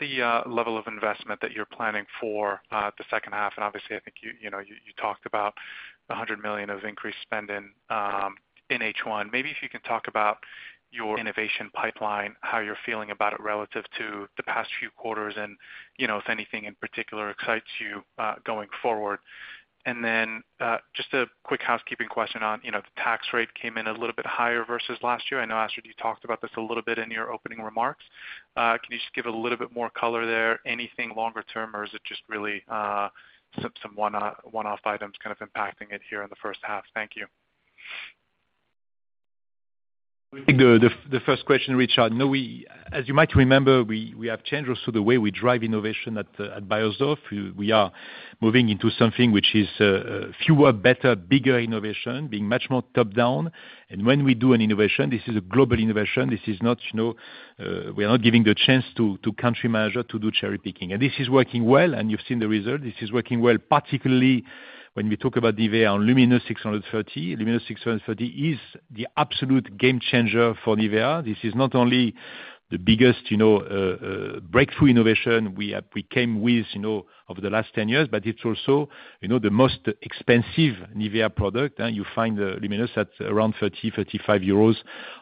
the level of investment that you're planning for the second half, and obviously, I think you, you know, you, you talked about the 100 million of increased spending in H1. Maybe if you can talk about your innovation pipeline, how you're feeling about it relative to the past few quarters, and, you know, if anything in particular excites you going forward? Just a quick housekeeping question on, you know, the tax rate came in a little bit higher versus last year. I know, Astrid, you talked about this a little bit in your opening remarks. Can you just give a little bit more color there, anything longer term, or is it just really, some, some one-off items kind of impacting it here in the first half? Thank you. The first question, Rashad. No, we, as you might remember, we have changed also the way we drive innovation at Beiersdorf. We are moving into something which is fewer, better, bigger innovation, being much more top-down. When we do an innovation, this is a global innovation. This is not, you know, we are not giving the chance to country manager to do cherry picking. This is working well, and you've seen the result. This is working well, particularly when we talk about NIVEA and LUMINOUS630. LUMINOUS630 is the absolute game changer for NIVEA. This is not only the biggest, you know, breakthrough innovation we came with, you know, over the last 10 years, but it's also, you know, the most expensive NIVEA product. You find the LUMINOUS630 at around 30-35 euros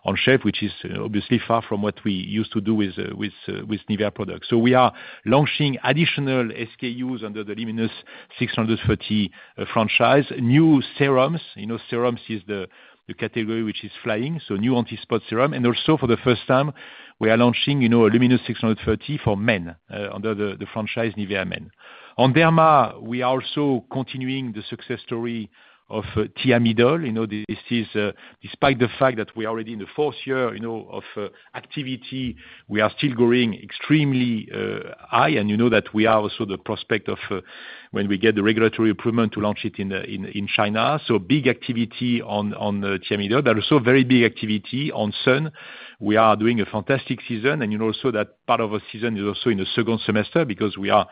on shelf, which is obviously far from what we used to do with, with, with NIVEA products. We are launching additional SKUs under the LUMINOUS630 franchise. New serums, you know, serums is the, the category which is flying, so new anti-spot serum. Also for the first time, we are launching, you know, a LUMINOUS630 for men, under the, the franchise NIVEA Men. On derma, we are also continuing the success story of Thiamidol. You know, this is, despite the fact that we are already in the fourth year, you know, of activity, we are still growing extremely high. You know that we are also the prospect of, when we get the regulatory approval to launch it in, in, in China. Big activity on, on Thiamidol, but also very big activity on sun. We are doing a fantastic season, and you know, also that part of our season is also in the second semester because we are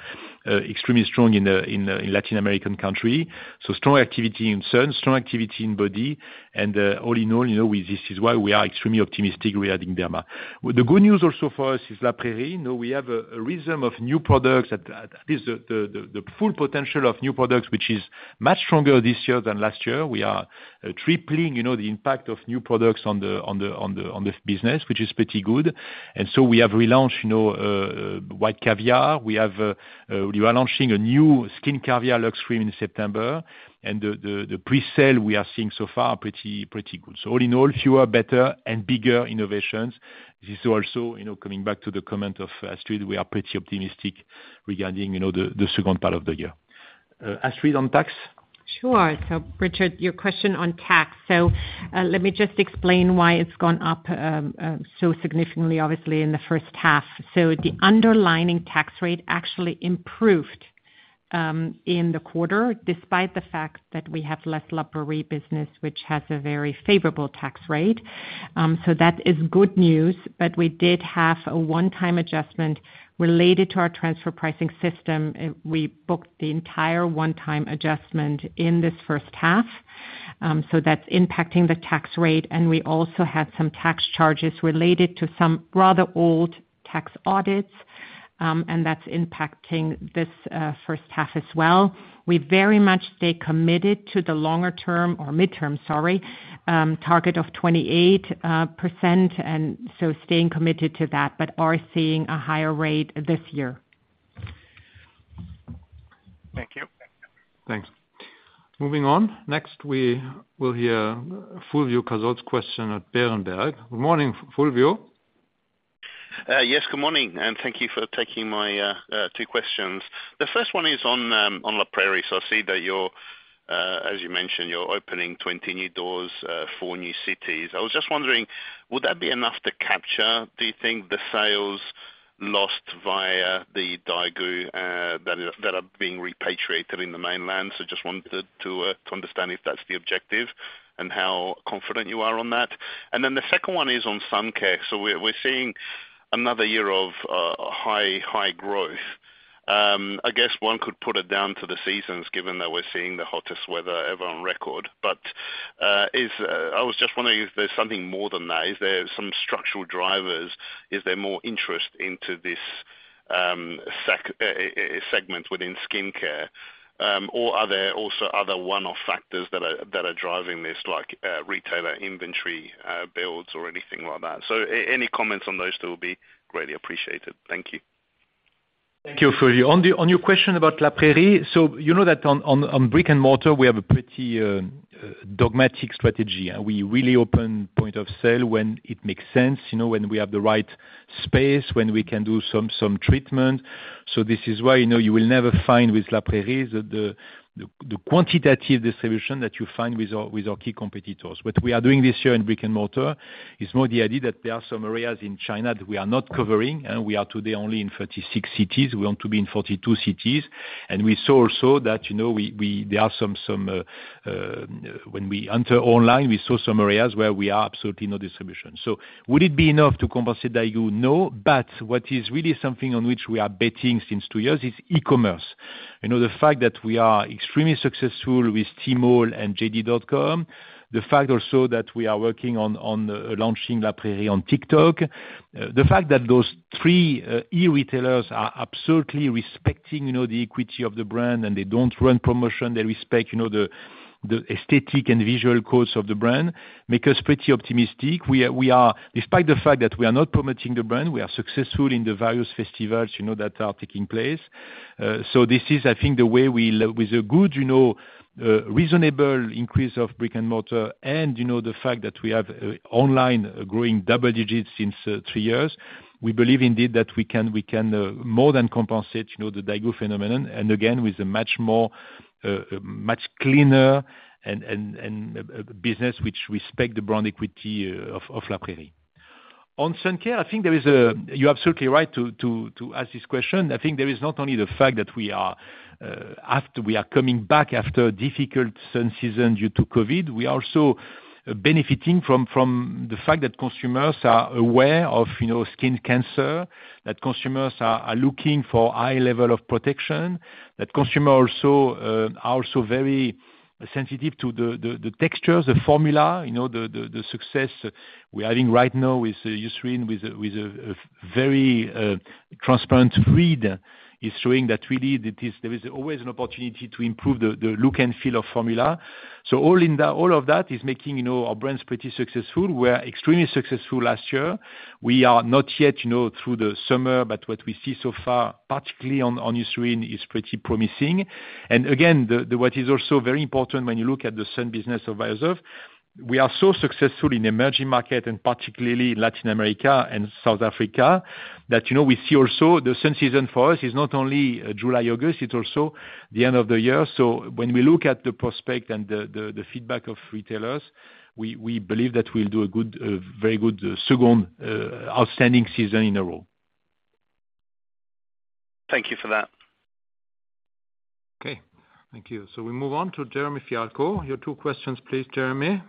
extremely strong in Latin American country. Strong activity in sun, strong activity in body, and all in all, you know, we- this is why we are extremely optimistic regarding derma. Well, the good news also for us is La Prairie. You know, we have a, a rhythm of new products at, at, at least the, the, the full potential of new products, which is much stronger this year than last year. We are tripling, you know, the impact of new products on the, on the, on the, on the business, which is pretty good. We have relaunched, you know, White Caviar. We have, we are launching a new Skin Caviar Luxe Cream in September, and the, the, the pre-sale we are seeing so far pretty, pretty good. All in all, fewer, better, and bigger innovations. This is also, you know, coming back to the comment of Astrid, we are pretty optimistic regarding, you know, the, the second part of the year. Astrid, on tax? Sure. Richard, your question on tax. Let me just explain why it's gone up so significantly, obviously, in the first half. The underlying tax rate actually improved in the quarter, despite the fact that we have less La Prairie business, which has a very favorable tax rate. That is good news, but we did have a one-time adjustment related to our transfer pricing system, we booked the entire one-time adjustment in this first half. That's impacting the tax rate, and we also had some tax charges related to some rather old tax audits, and that's impacting this first half as well. We very much stay committed to the longer term or midterm, sorry, target of 28%, staying committed to that, but are seeing a higher rate this year. Thank you. Thanks. Moving on. Next, we will hear Fulvio Cazzol's question at Berenberg. Good morning, Fulvio. Yes, good morning, thank you for taking my two questions. The first one is on La Prairie. I see that you're, as you mentioned, you're opening 20 new doors, four new cities. I was just wondering, would that be enough to capture, do you think, the sales lost via the Daigou that are being repatriated in the mainland? Just wanted to understand if that's the objective, and how confident you are on that. Then the second one is on Suncare. We're seeing another year of high, high growth. I guess one could put it down to the seasons, given that we're seeing the hottest weather ever on record. Is, I was just wondering if there's something more than that. Is there some structural drivers? Is there more interest into this segment within skincare? Or are there also other one-off factors that are, that are driving this, like, retailer inventory, builds or anything like that? Any comments on those two will be greatly appreciated. Thank you. Thank you, Fulvio. On the, on your question about La Prairie, so you know that on, on, on brick and mortar, we have a pretty, dogmatic strategy, and we really open point of sale when it makes sense, you know, when we have the right space, when we can do some, some treatment. This is why, you know, you will never find with La Prairie, the, the, the quantitative distribution that you find with our, with our key competitors. What we are doing this year in brick and mortar is more the idea that there are some areas in China that we are not covering, and we are today only in 36 cities. We want to be in 42 cities. We saw also that, you know, we, there are some, when we enter online, we saw some areas where we are absolutely no distribution. Would it be enough to compensate Daigou? No, what is really something on which we are betting since two years is e-commerce. You know, the fact that we are extremely successful with Tmall and JD.com, the fact also that we are working on launching La Prairie on TikTok. The fact that those three e-retailers are absolutely respecting, you know, the equity of the brand, and they don't run promotion, they respect, you know, the aesthetic and visual course of the brand, make us pretty optimistic. We are, despite the fact that we are not promoting the brand, we are successful in the various festivals, you know, that are taking place. This is, I think, the way we with a good, you know, reasonable increase of brick and mortar, and, you know, the fact that we have online growing double digits since three years. We believe indeed, that we can more than compensate, you know, the Daigou phenomenon, and again, with a much more, much cleaner and business which respect the brand equity of La Prairie. On Suncare, I think there is. You're absolutely right to ask this question. I think there is not only the fact that we are after we are coming back after a difficult sun season due to COVID, we are also benefiting from the fact that consumers are aware of, you know, skin cancer. Consumers are looking for high level of protection. That consumer also, are also very sensitive to the textures, the formula, you know, the success we are having right now with Eucerin, with a very transparent read, is showing that really there is always an opportunity to improve the look and feel of formula. All in that, all of that is making, you know, our brands pretty successful. We are extremely successful last year. We are not yet, you know, through the summer, but what we see so far, particularly on Eucerin, is pretty promising. Again, what is also very important when you look at the sun business of Beiersdorf, we are so successful in emerging market, and particularly Latin America and South Africa, that, you know, we see also the sun season for us is not only July, August, it's also the end of the year. When we look at the prospect and the feedback of retailers, we, we believe that we'll do a good, very good second, outstanding season in a row. Thank you for that. Okay, thank you. We move on to Jeremy Fialko. Your two questions, please, Jeremy.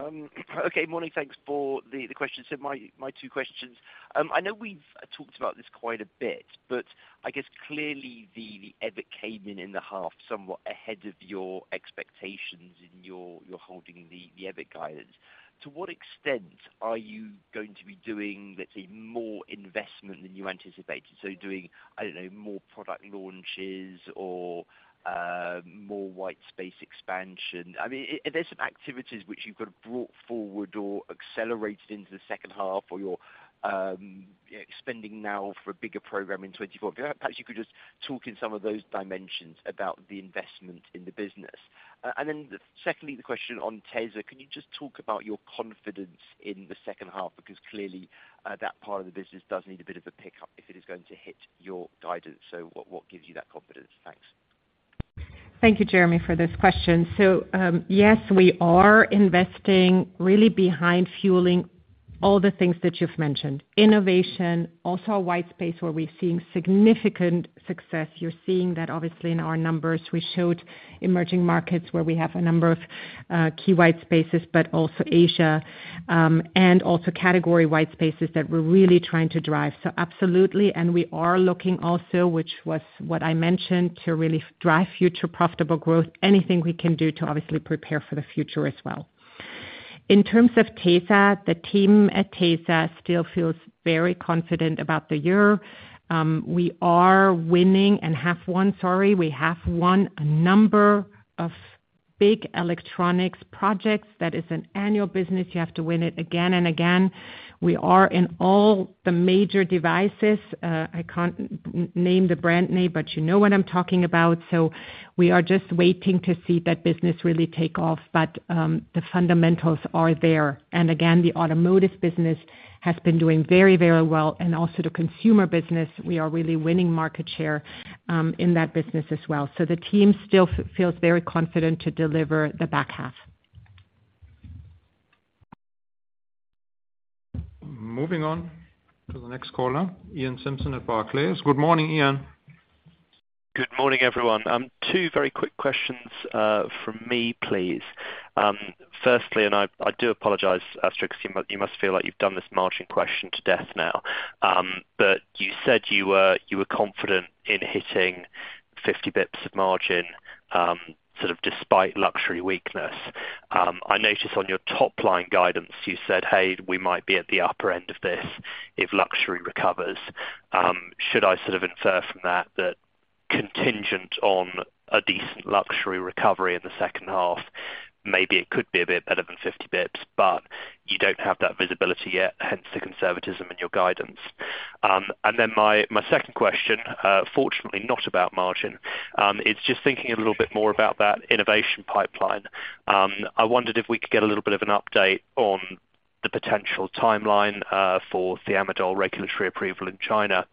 Okay, morning. Thanks for the question. My, my two questions. I know we've talked about this quite a bit, but I guess clearly the EBIT came in, in the half, somewhat ahead of your expectations in your holding the EBIT guidance. To what extent are you going to be doing, let's say, more investment than you anticipated? Doing, I don't know, more product launches or more white space expansion. I mean, if there's some activities which you've got brought forward or accelerated into the second half, or you're spending now for a bigger program in 2024, perhaps you could just talk in some of those dimensions about the investment in the business. Secondly, the question on tesa, can you just talk about your confidence in the second half? Clearly, that part of the business does need a bit of a pickup if it is going to hit your guidance. What, what gives you that confidence? Thanks. Thank you, Jeremy, for this question. Yes, we are investing really behind fueling all the things that you've mentioned. Innovation, also a wide space where we're seeing significant success. You're seeing that obviously in our numbers. We showed emerging markets where we have a number of key wide spaces, but also Asia, and also category-wide spaces that we're really trying to drive. Absolutely, and we are looking also, which was what I mentioned, to really drive future profitable growth, anything we can do to obviously prepare for the future as well. In terms of tesa, the team at tesa still feels very confident about the year. We are winning and have won, sorry, we have won a number of big electronics projects. That is an annual business. You have to win it again and again. We are in all the major devices. I can't name the brand name, but you know what I'm talking about. We are just waiting to see that business really take off. The fundamentals are there. Again, the automotive business has been doing very, very well, and also the consumer business, we are really winning market share in that business as well. The team still feels very confident to deliver the back half. Moving on to the next caller, Iain Simpson at Barclays. Good morning, Ian. Good morning, everyone. two very quick questions from me, please. firstly, I, I do apologize, Astrid, 'cause you you must feel like you've done this margin question to death now. You said you were, you were confident in hitting 50 bips of margin, sort of despite luxury weakness. I noticed on your top-line guidance, you said, "Hey, we might be at the upper end of this if luxury recovers." Should I sort of infer from that, that contingent on a decent luxury recovery in the second half, maybe it could be a bit better than 50 bips, but you don't have that visibility yet, hence the conservatism in your guidance? Then my, my second question, fortunately not about margin, is just thinking a little bit more about that innovation pipeline. I wondered if we could get a little bit of an update on the potential timeline for Thiamidol regulatory approval in China.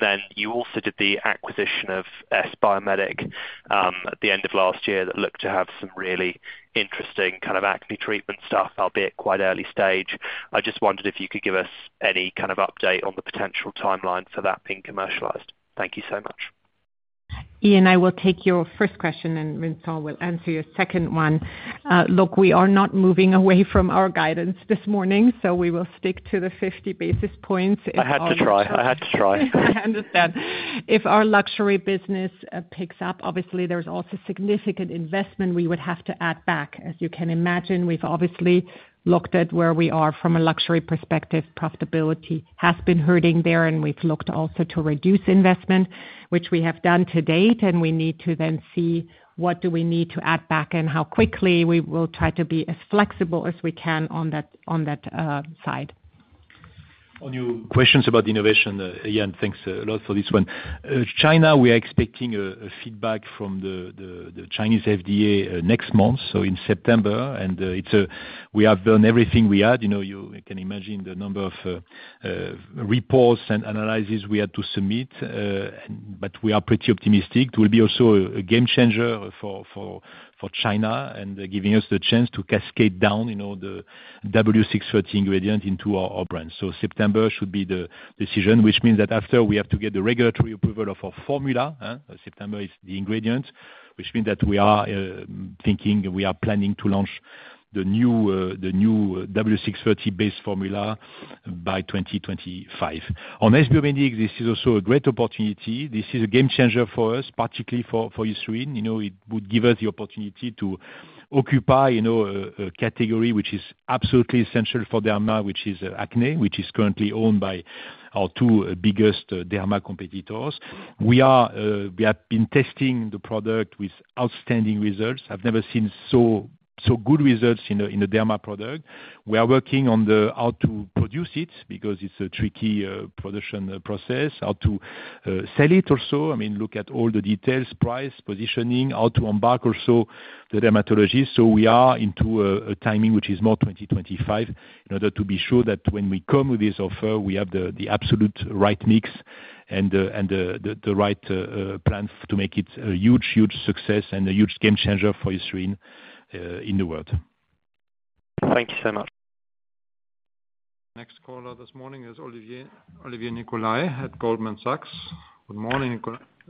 Then you also did the acquisition of S-Biomedic at the end of last year, that looked to have some really interesting kind of acne treatment stuff, albeit quite early stage. I just wondered if you could give us any kind of update on the potential timeline for that being commercialized? Thank you so much. Iain, I will take your first question, and Vincent will answer your second one. Look, we are not moving away from our guidance this morning, so we will stick to the 50 basis points... I had to try. I had to try. I understand. If our luxury business picks up, obviously there's also significant investment we would have to add back. As you can imagine, we've obviously looked at where we are from a luxury perspective. Profitability has been hurting there, and we've looked also to reduce investment, which we have done to date. We need to then see what do we need to add back and how quickly we will try to be as flexible as we can on that, on that, side. On your questions about innovation, Iain, thanks a lot for this one. China, we are expecting a feedback from the Chinese FDA next month, so in September. We have done everything we had. You know, you can imagine the number of reports and analysis we had to submit, but we are pretty optimistic. It will be also a game changer for China and giving us the chance to cascade down, you know, the W630 ingredient into our brands. September should be the decision, which means that after we have to get the regulatory approval of our formula. September is the ingredient, which means that we are thinking, we are planning to launch the new W630 base formula by 2025. On S-Biomedic, this is also a great opportunity. This is a game changer for us, particularly for, for Eucerin. You know, it would give us the opportunity to occupy, you know, a, a category which is absolutely essential for derma, which is acne, which is currently owned by our two biggest derma competitors. We are, we have been testing the product with outstanding results. I've never seen so, so good results in a, in a derma product. We are working on the how to produce it, because it's a tricky production process, how to sell it also. I mean, look at all the details, price, positioning, how to embark also the dermatologist. we are into a, a timing which is more 2025, in order to be sure that when we come with this offer, we have the, the absolute right mix and, and the, the, the right, plan to make it a huge, huge success and a huge game changer for Eucerin, in the world. Thank you so much. Next caller this morning is Olivier, Olivier Nicolai at Goldman Sachs. Good morning,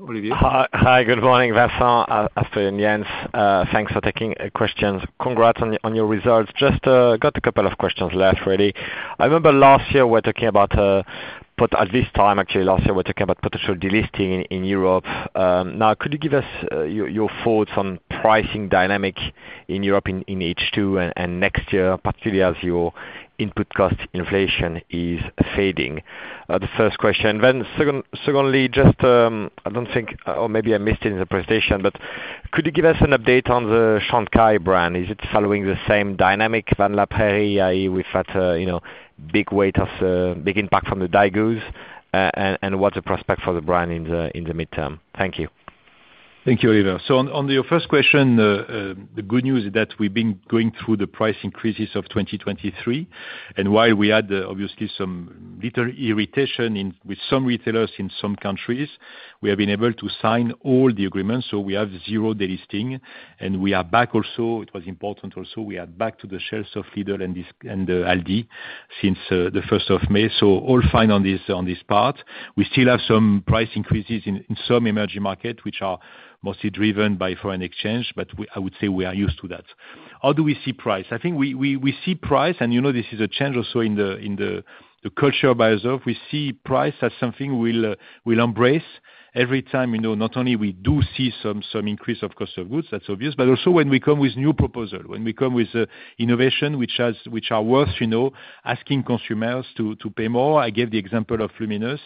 Olivier. Hi. Hi, good morning, Vincent, Astrid, and Jens. Thanks for taking questions. Congrats on, on your results. Just got a couple of questions left, really. I remember last year we're talking about, but at this time, actually, last year, we're talking about potential delisting in Europe. Now, could you give us your, your thoughts on pricing dynamic in Europe in, in H2 and, and next year, particularly as your input cost inflation is fading? The first question, then secondly, just, I don't think, or maybe I missed it in the presentation, but could you give us an update on the Chantecaille brand? Is it following the same dynamic van La Prairie, i.e., we've had, you know, big weight of big impact from the Daigous, and, and what's the prospect for the brand in the, in the midterm? Thank you. Thank you, Oliver. On, on your first question, the good news is that we've been going through the price increases of 2023, and while we had obviously some little irritation with some retailers in some countries, we have been able to sign all the agreements, so we have zero delisting, and we are back also, it was important also, we are back to the shelves of Lidl and Aldi since the first of May. All fine on this, on this part. We still have some price increases in, in some emerging market, which are mostly driven by foreign exchange, but I would say we are used to that. How do we see price? I think we, we, we see price, and, you know, this is a change also in the, in the, the culture by ourselves. We see price as something we'll, we'll embrace every time, you know, not only we do see some, some increase of cost of goods, that's obvious, but also when we come with new proposal, when we come with innovation, which are worth, you know, asking consumers to, to pay more. I gave the example of LUMINOUS,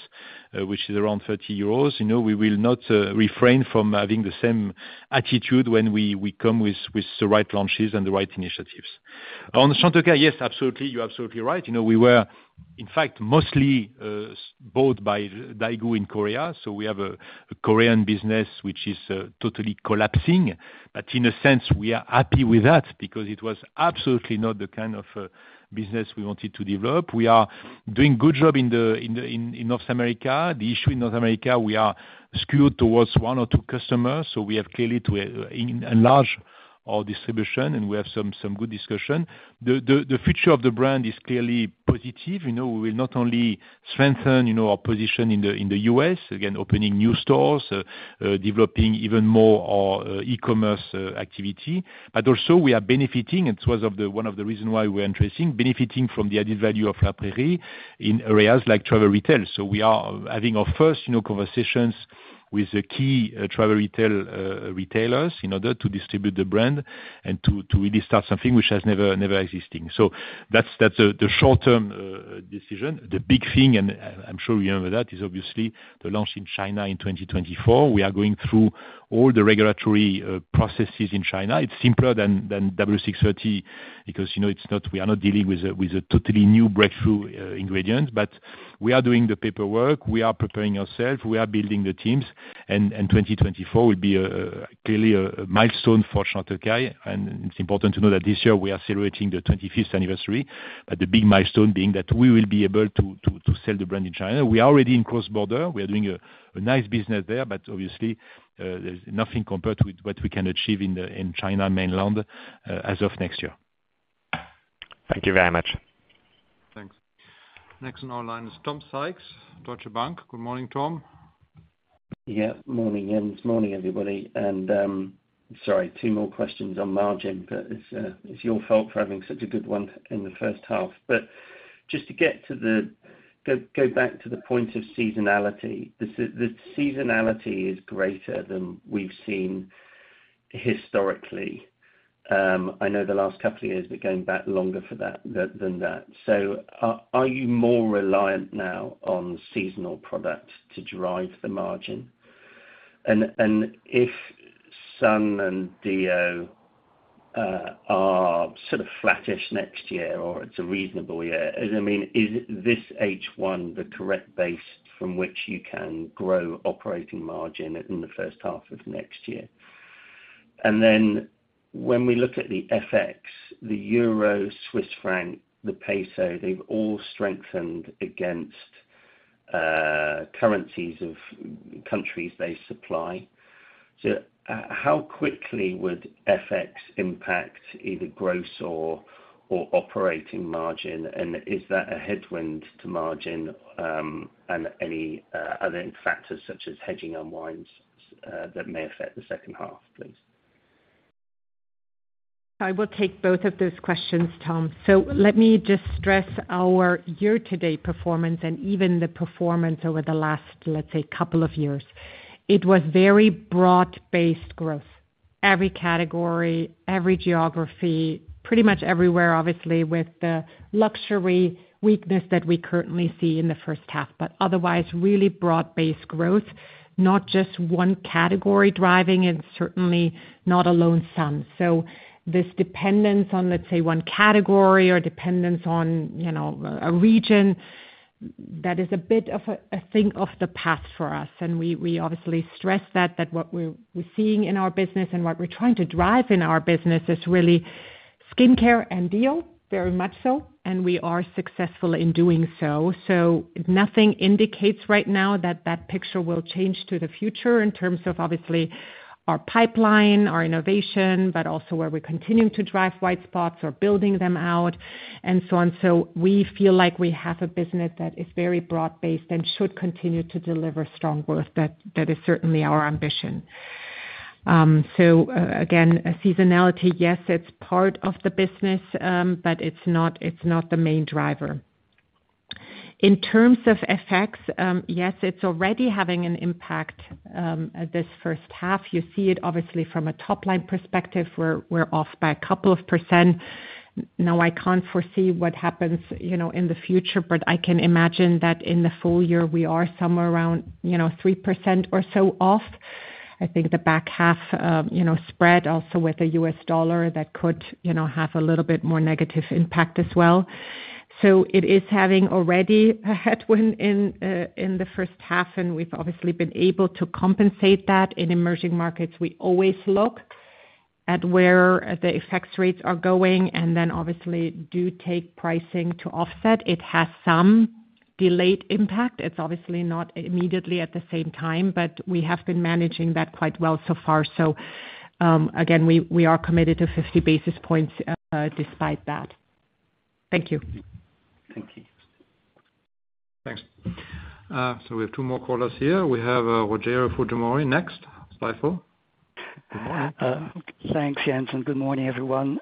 which is around 30 euros. You know, we will not refrain from having the same attitude when we come with the right launches and the right initiatives. On the Chantecaille, yes, absolutely. You're absolutely right. You know, we were, in fact, mostly bought by Daigou in Korea, so we have a Korean business which is totally collapsing. In a sense, we are happy with that because it was absolutely not the kind of business we wanted to develop. We are doing good job in the, in the, in, in North America. The issue in North America, we are skewed towards one or two customers, so we have clearly to enlarge our distribution, and we have some, some good discussion. The, the, the future of the brand is clearly positive. You know, we will not only strengthen, you know, our position in the, in the U.S., again, opening new stores, developing even more our e-commerce activity, but also we are benefiting, it was of the, one of the reasons why we're entering, benefiting from the added value of La Prairie in areas like travel retail. So we are having our first, you know, conversations with the key travel retail retailers, in order to distribute the brand and to, to really start something which has never, never existed. That's, that's the short-term decision. The big thing, and I'm sure you know that, is obviously the launch in China in 2024. We are going through all the regulatory processes in China. It's simpler than, than W630 because, you know, it's not, we are not dealing with a, with a totally new breakthrough ingredient. We are doing the paperwork, we are preparing ourselves, we are building the teams, and 2024 will be clearly a milestone for Chantecaille. It's important to know that this year we are celebrating the 25th anniversary, but the big milestone being that we will be able to, to, to sell the brand in China. We are already in cross-border. We are doing a, a nice business there, but obviously, there's nothing compared to what we can achieve in the, in China mainland, as of next year. Thank you very much. Thanks. Next on our line is Tom Sykes, Deutsche Bank. Good morning, Tom. Yeah, Morning, Jens. Morning, everybody. Sorry, two more questions on margin, but it's your fault for having such a good one in the first half. Just to go back to the point of seasonality. The seasonality is greater than we've seen historically. I know the last couple of years, but going back longer for that, than that. Are you more reliant now on seasonal products to drive the margin? If sun and deo are sort of flattish next year or it's a reasonable year, I mean, is this H1 the correct base from which you can grow operating margin in the first half of next year? When we look at the FX, the Euro, Swiss franc, the Peso, they've all strengthened against currencies of countries they supply. How quickly would FX impact either gross or, or operating margin? Is that a headwind to margin, and any other factors such as hedging on wines that may affect the second half, please? I will take both of those questions, Tom. Let me just stress our year-to-date performance and even the performance over the last, let's say, couple of years. It was very broad-based growth. Every category, every geography, pretty much everywhere, obviously, with the luxury weakness that we currently see in the first half, but otherwise, really broad-based growth, not just one category driving, and certainly not alone sun. This dependence on, let's say, one category or dependence on, you know, a region, that is a bit of a, a thing of the past for us, and we, we obviously stress that, that what we're, we're seeing in our business and what we're trying to drive in our business is really skincare and deo, very much so, and we are successful in doing so. Nothing indicates right now that that picture will change to the future in terms of obviously our pipeline, our innovation, but also where we're continuing to drive white spots or building them out and so on. We feel like we have a business that is very broad-based and should continue to deliver strong growth. That, that is certainly our ambition. Again, seasonality, yes, it's part of the business, but it's not, it's not the main driver. In terms of FX, yes, it's already having an impact at this first half. You see it obviously from a top-line perspective, we're off by a couple of %. Now, I can't foresee what happens, you know, in the future, but I can imagine that in the full year we are somewhere around, you know, 3% or so off. I think the back half, you know, spread also with the U.S. dollar, that could, you know, have a little bit more negative impact as well. It is having already a headwind in the first half, and we've obviously been able to compensate that. In emerging markets, we always look at where the effects rates are going and then obviously do take pricing to offset. It has some delayed impact. It's obviously not immediately at the same time, but we have been managing that quite well so far. Again, we, we are committed to 50 basis points, despite that. Thank you. Thank you. Thanks. We have two more callers here. We have, Rogerio Fujimori next, Stifel. Good morning. Thanks, Jens, and good morning, everyone.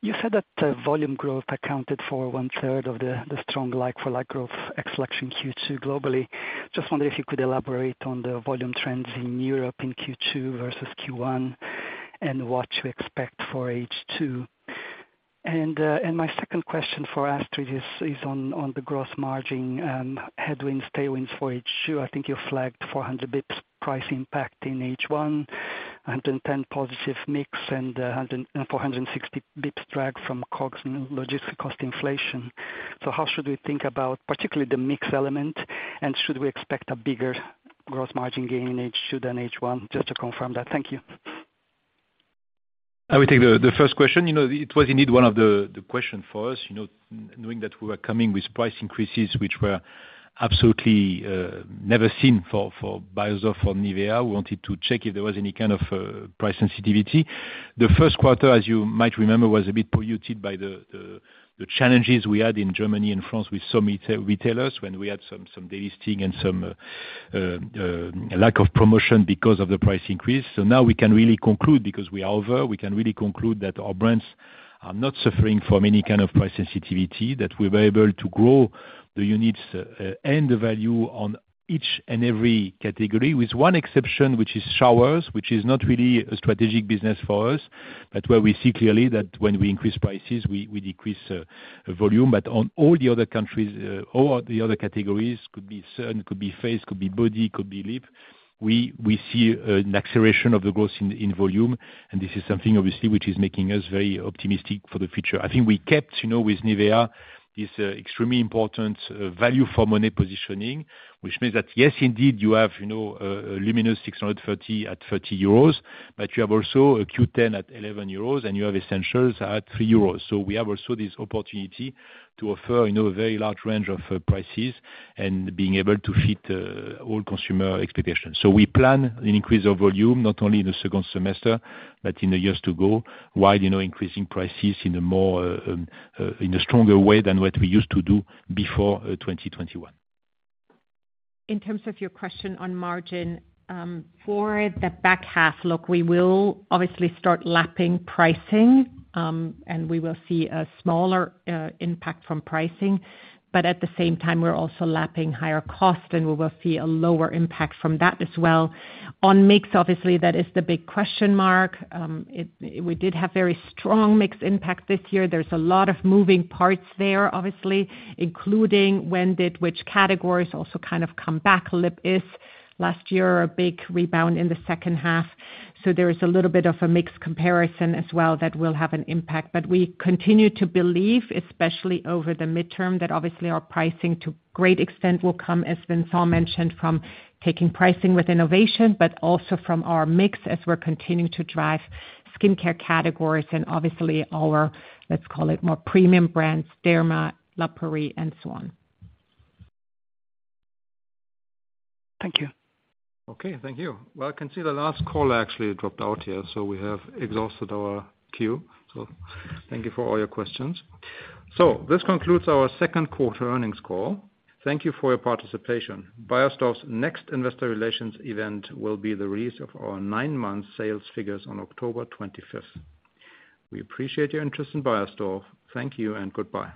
You said that volume growth accounted for 1/3 of the strong like-for-like growth selection Q2 globally. Just wonder if you could elaborate on the volume trends in Europe in Q2 versus Q1, and what you expect for H2? My second question for Astrid is on the growth margin headwinds, tailwinds for H2. I think you flagged 400 basis points price impact in H1, 110 positive mix, and 460 basis points drag from COGS and logistic cost inflation. How should we think about particularly the mix element? Should we expect a bigger growth margin gain in H2 than H1? Just to confirm that. Thank you. I will take the, the first question. You know, it was indeed one of the, the question for us, you know, knowing that we were coming with price increases, which were absolutely never seen for, for Beiersdorf, for NIVEA. We wanted to check if there was any kind of price sensitivity. The first quarter, as you might remember, was a bit polluted by the, the, the challenges we had in Germany and France with some retailers, when we had some, some de-listing and some lack of promotion because of the price increase. Now we can really conclude, because we are over, we can really conclude that our brands are not suffering from any kind of price sensitivity, that we're able to grow the units and the value on each and every category, with one exception, which is showers, which is not really a strategic business for us, but where we see clearly that when we increase prices, we, we decrease volume. On all the other countries, or the other categories, could be sun, could be face, could be body, could be lip, we, we see an acceleration of the growth in, in volume, and this is something obviously which is making us very optimistic for the future. I think we kept, you know, with NIVEA, this extremely important value for money positioning, which means that yes, indeed, you have, you know, LUMINOUS630 at EURO 30, but you have also a Q10 at 11 euros, and you have Essentials at 3 euros. We have also this opportunity to offer, you know, a very large range of prices and being able to fit all consumer expectations. We plan an increase of volume, not only in the second semester, but in the years to go, while, you know, increasing prices in a more in a stronger way than what we used to do before 2021. In terms of your question on margin, for the back half, look, we will obviously start lapping pricing, and we will see a smaller impact from pricing. At the same time, we're also lapping higher cost, and we will see a lower impact from that as well. On mix, obviously, that is the big question mark. We did have very strong mix impact this year. There's a lot of moving parts there, obviously, including when did which categories also kind of come back. Lip is last year, a big rebound in the second half, so there is a little bit of a mix comparison as well that will have an impact. We continue to believe, especially over the midterm, that obviously our pricing, to a great extent, will come, as Vincent mentioned, from taking pricing with innovation, but also from our mix as we're continuing to drive skincare categories and obviously our, let's call it, more premium brands, derma, La Prairie, and so on. Thank you. Okay, thank you. Well, I can see the last caller actually dropped out here, so we have exhausted our queue. Thank you for all your questions. This concludes our second quarter earnings call. Thank you for your participation. Beiersdorf's next Investor Relations event will be the release of our nine-month sales figures on October 25th. We appreciate your interest in Beiersdorf. Thank you and goodbye.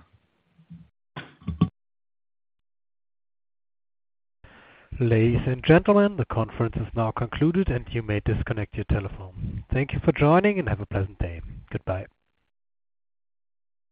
Ladies and gentlemen, the conference is now concluded, and you may disconnect your telephone. Thank you for joining and have a pleasant day. Goodbye.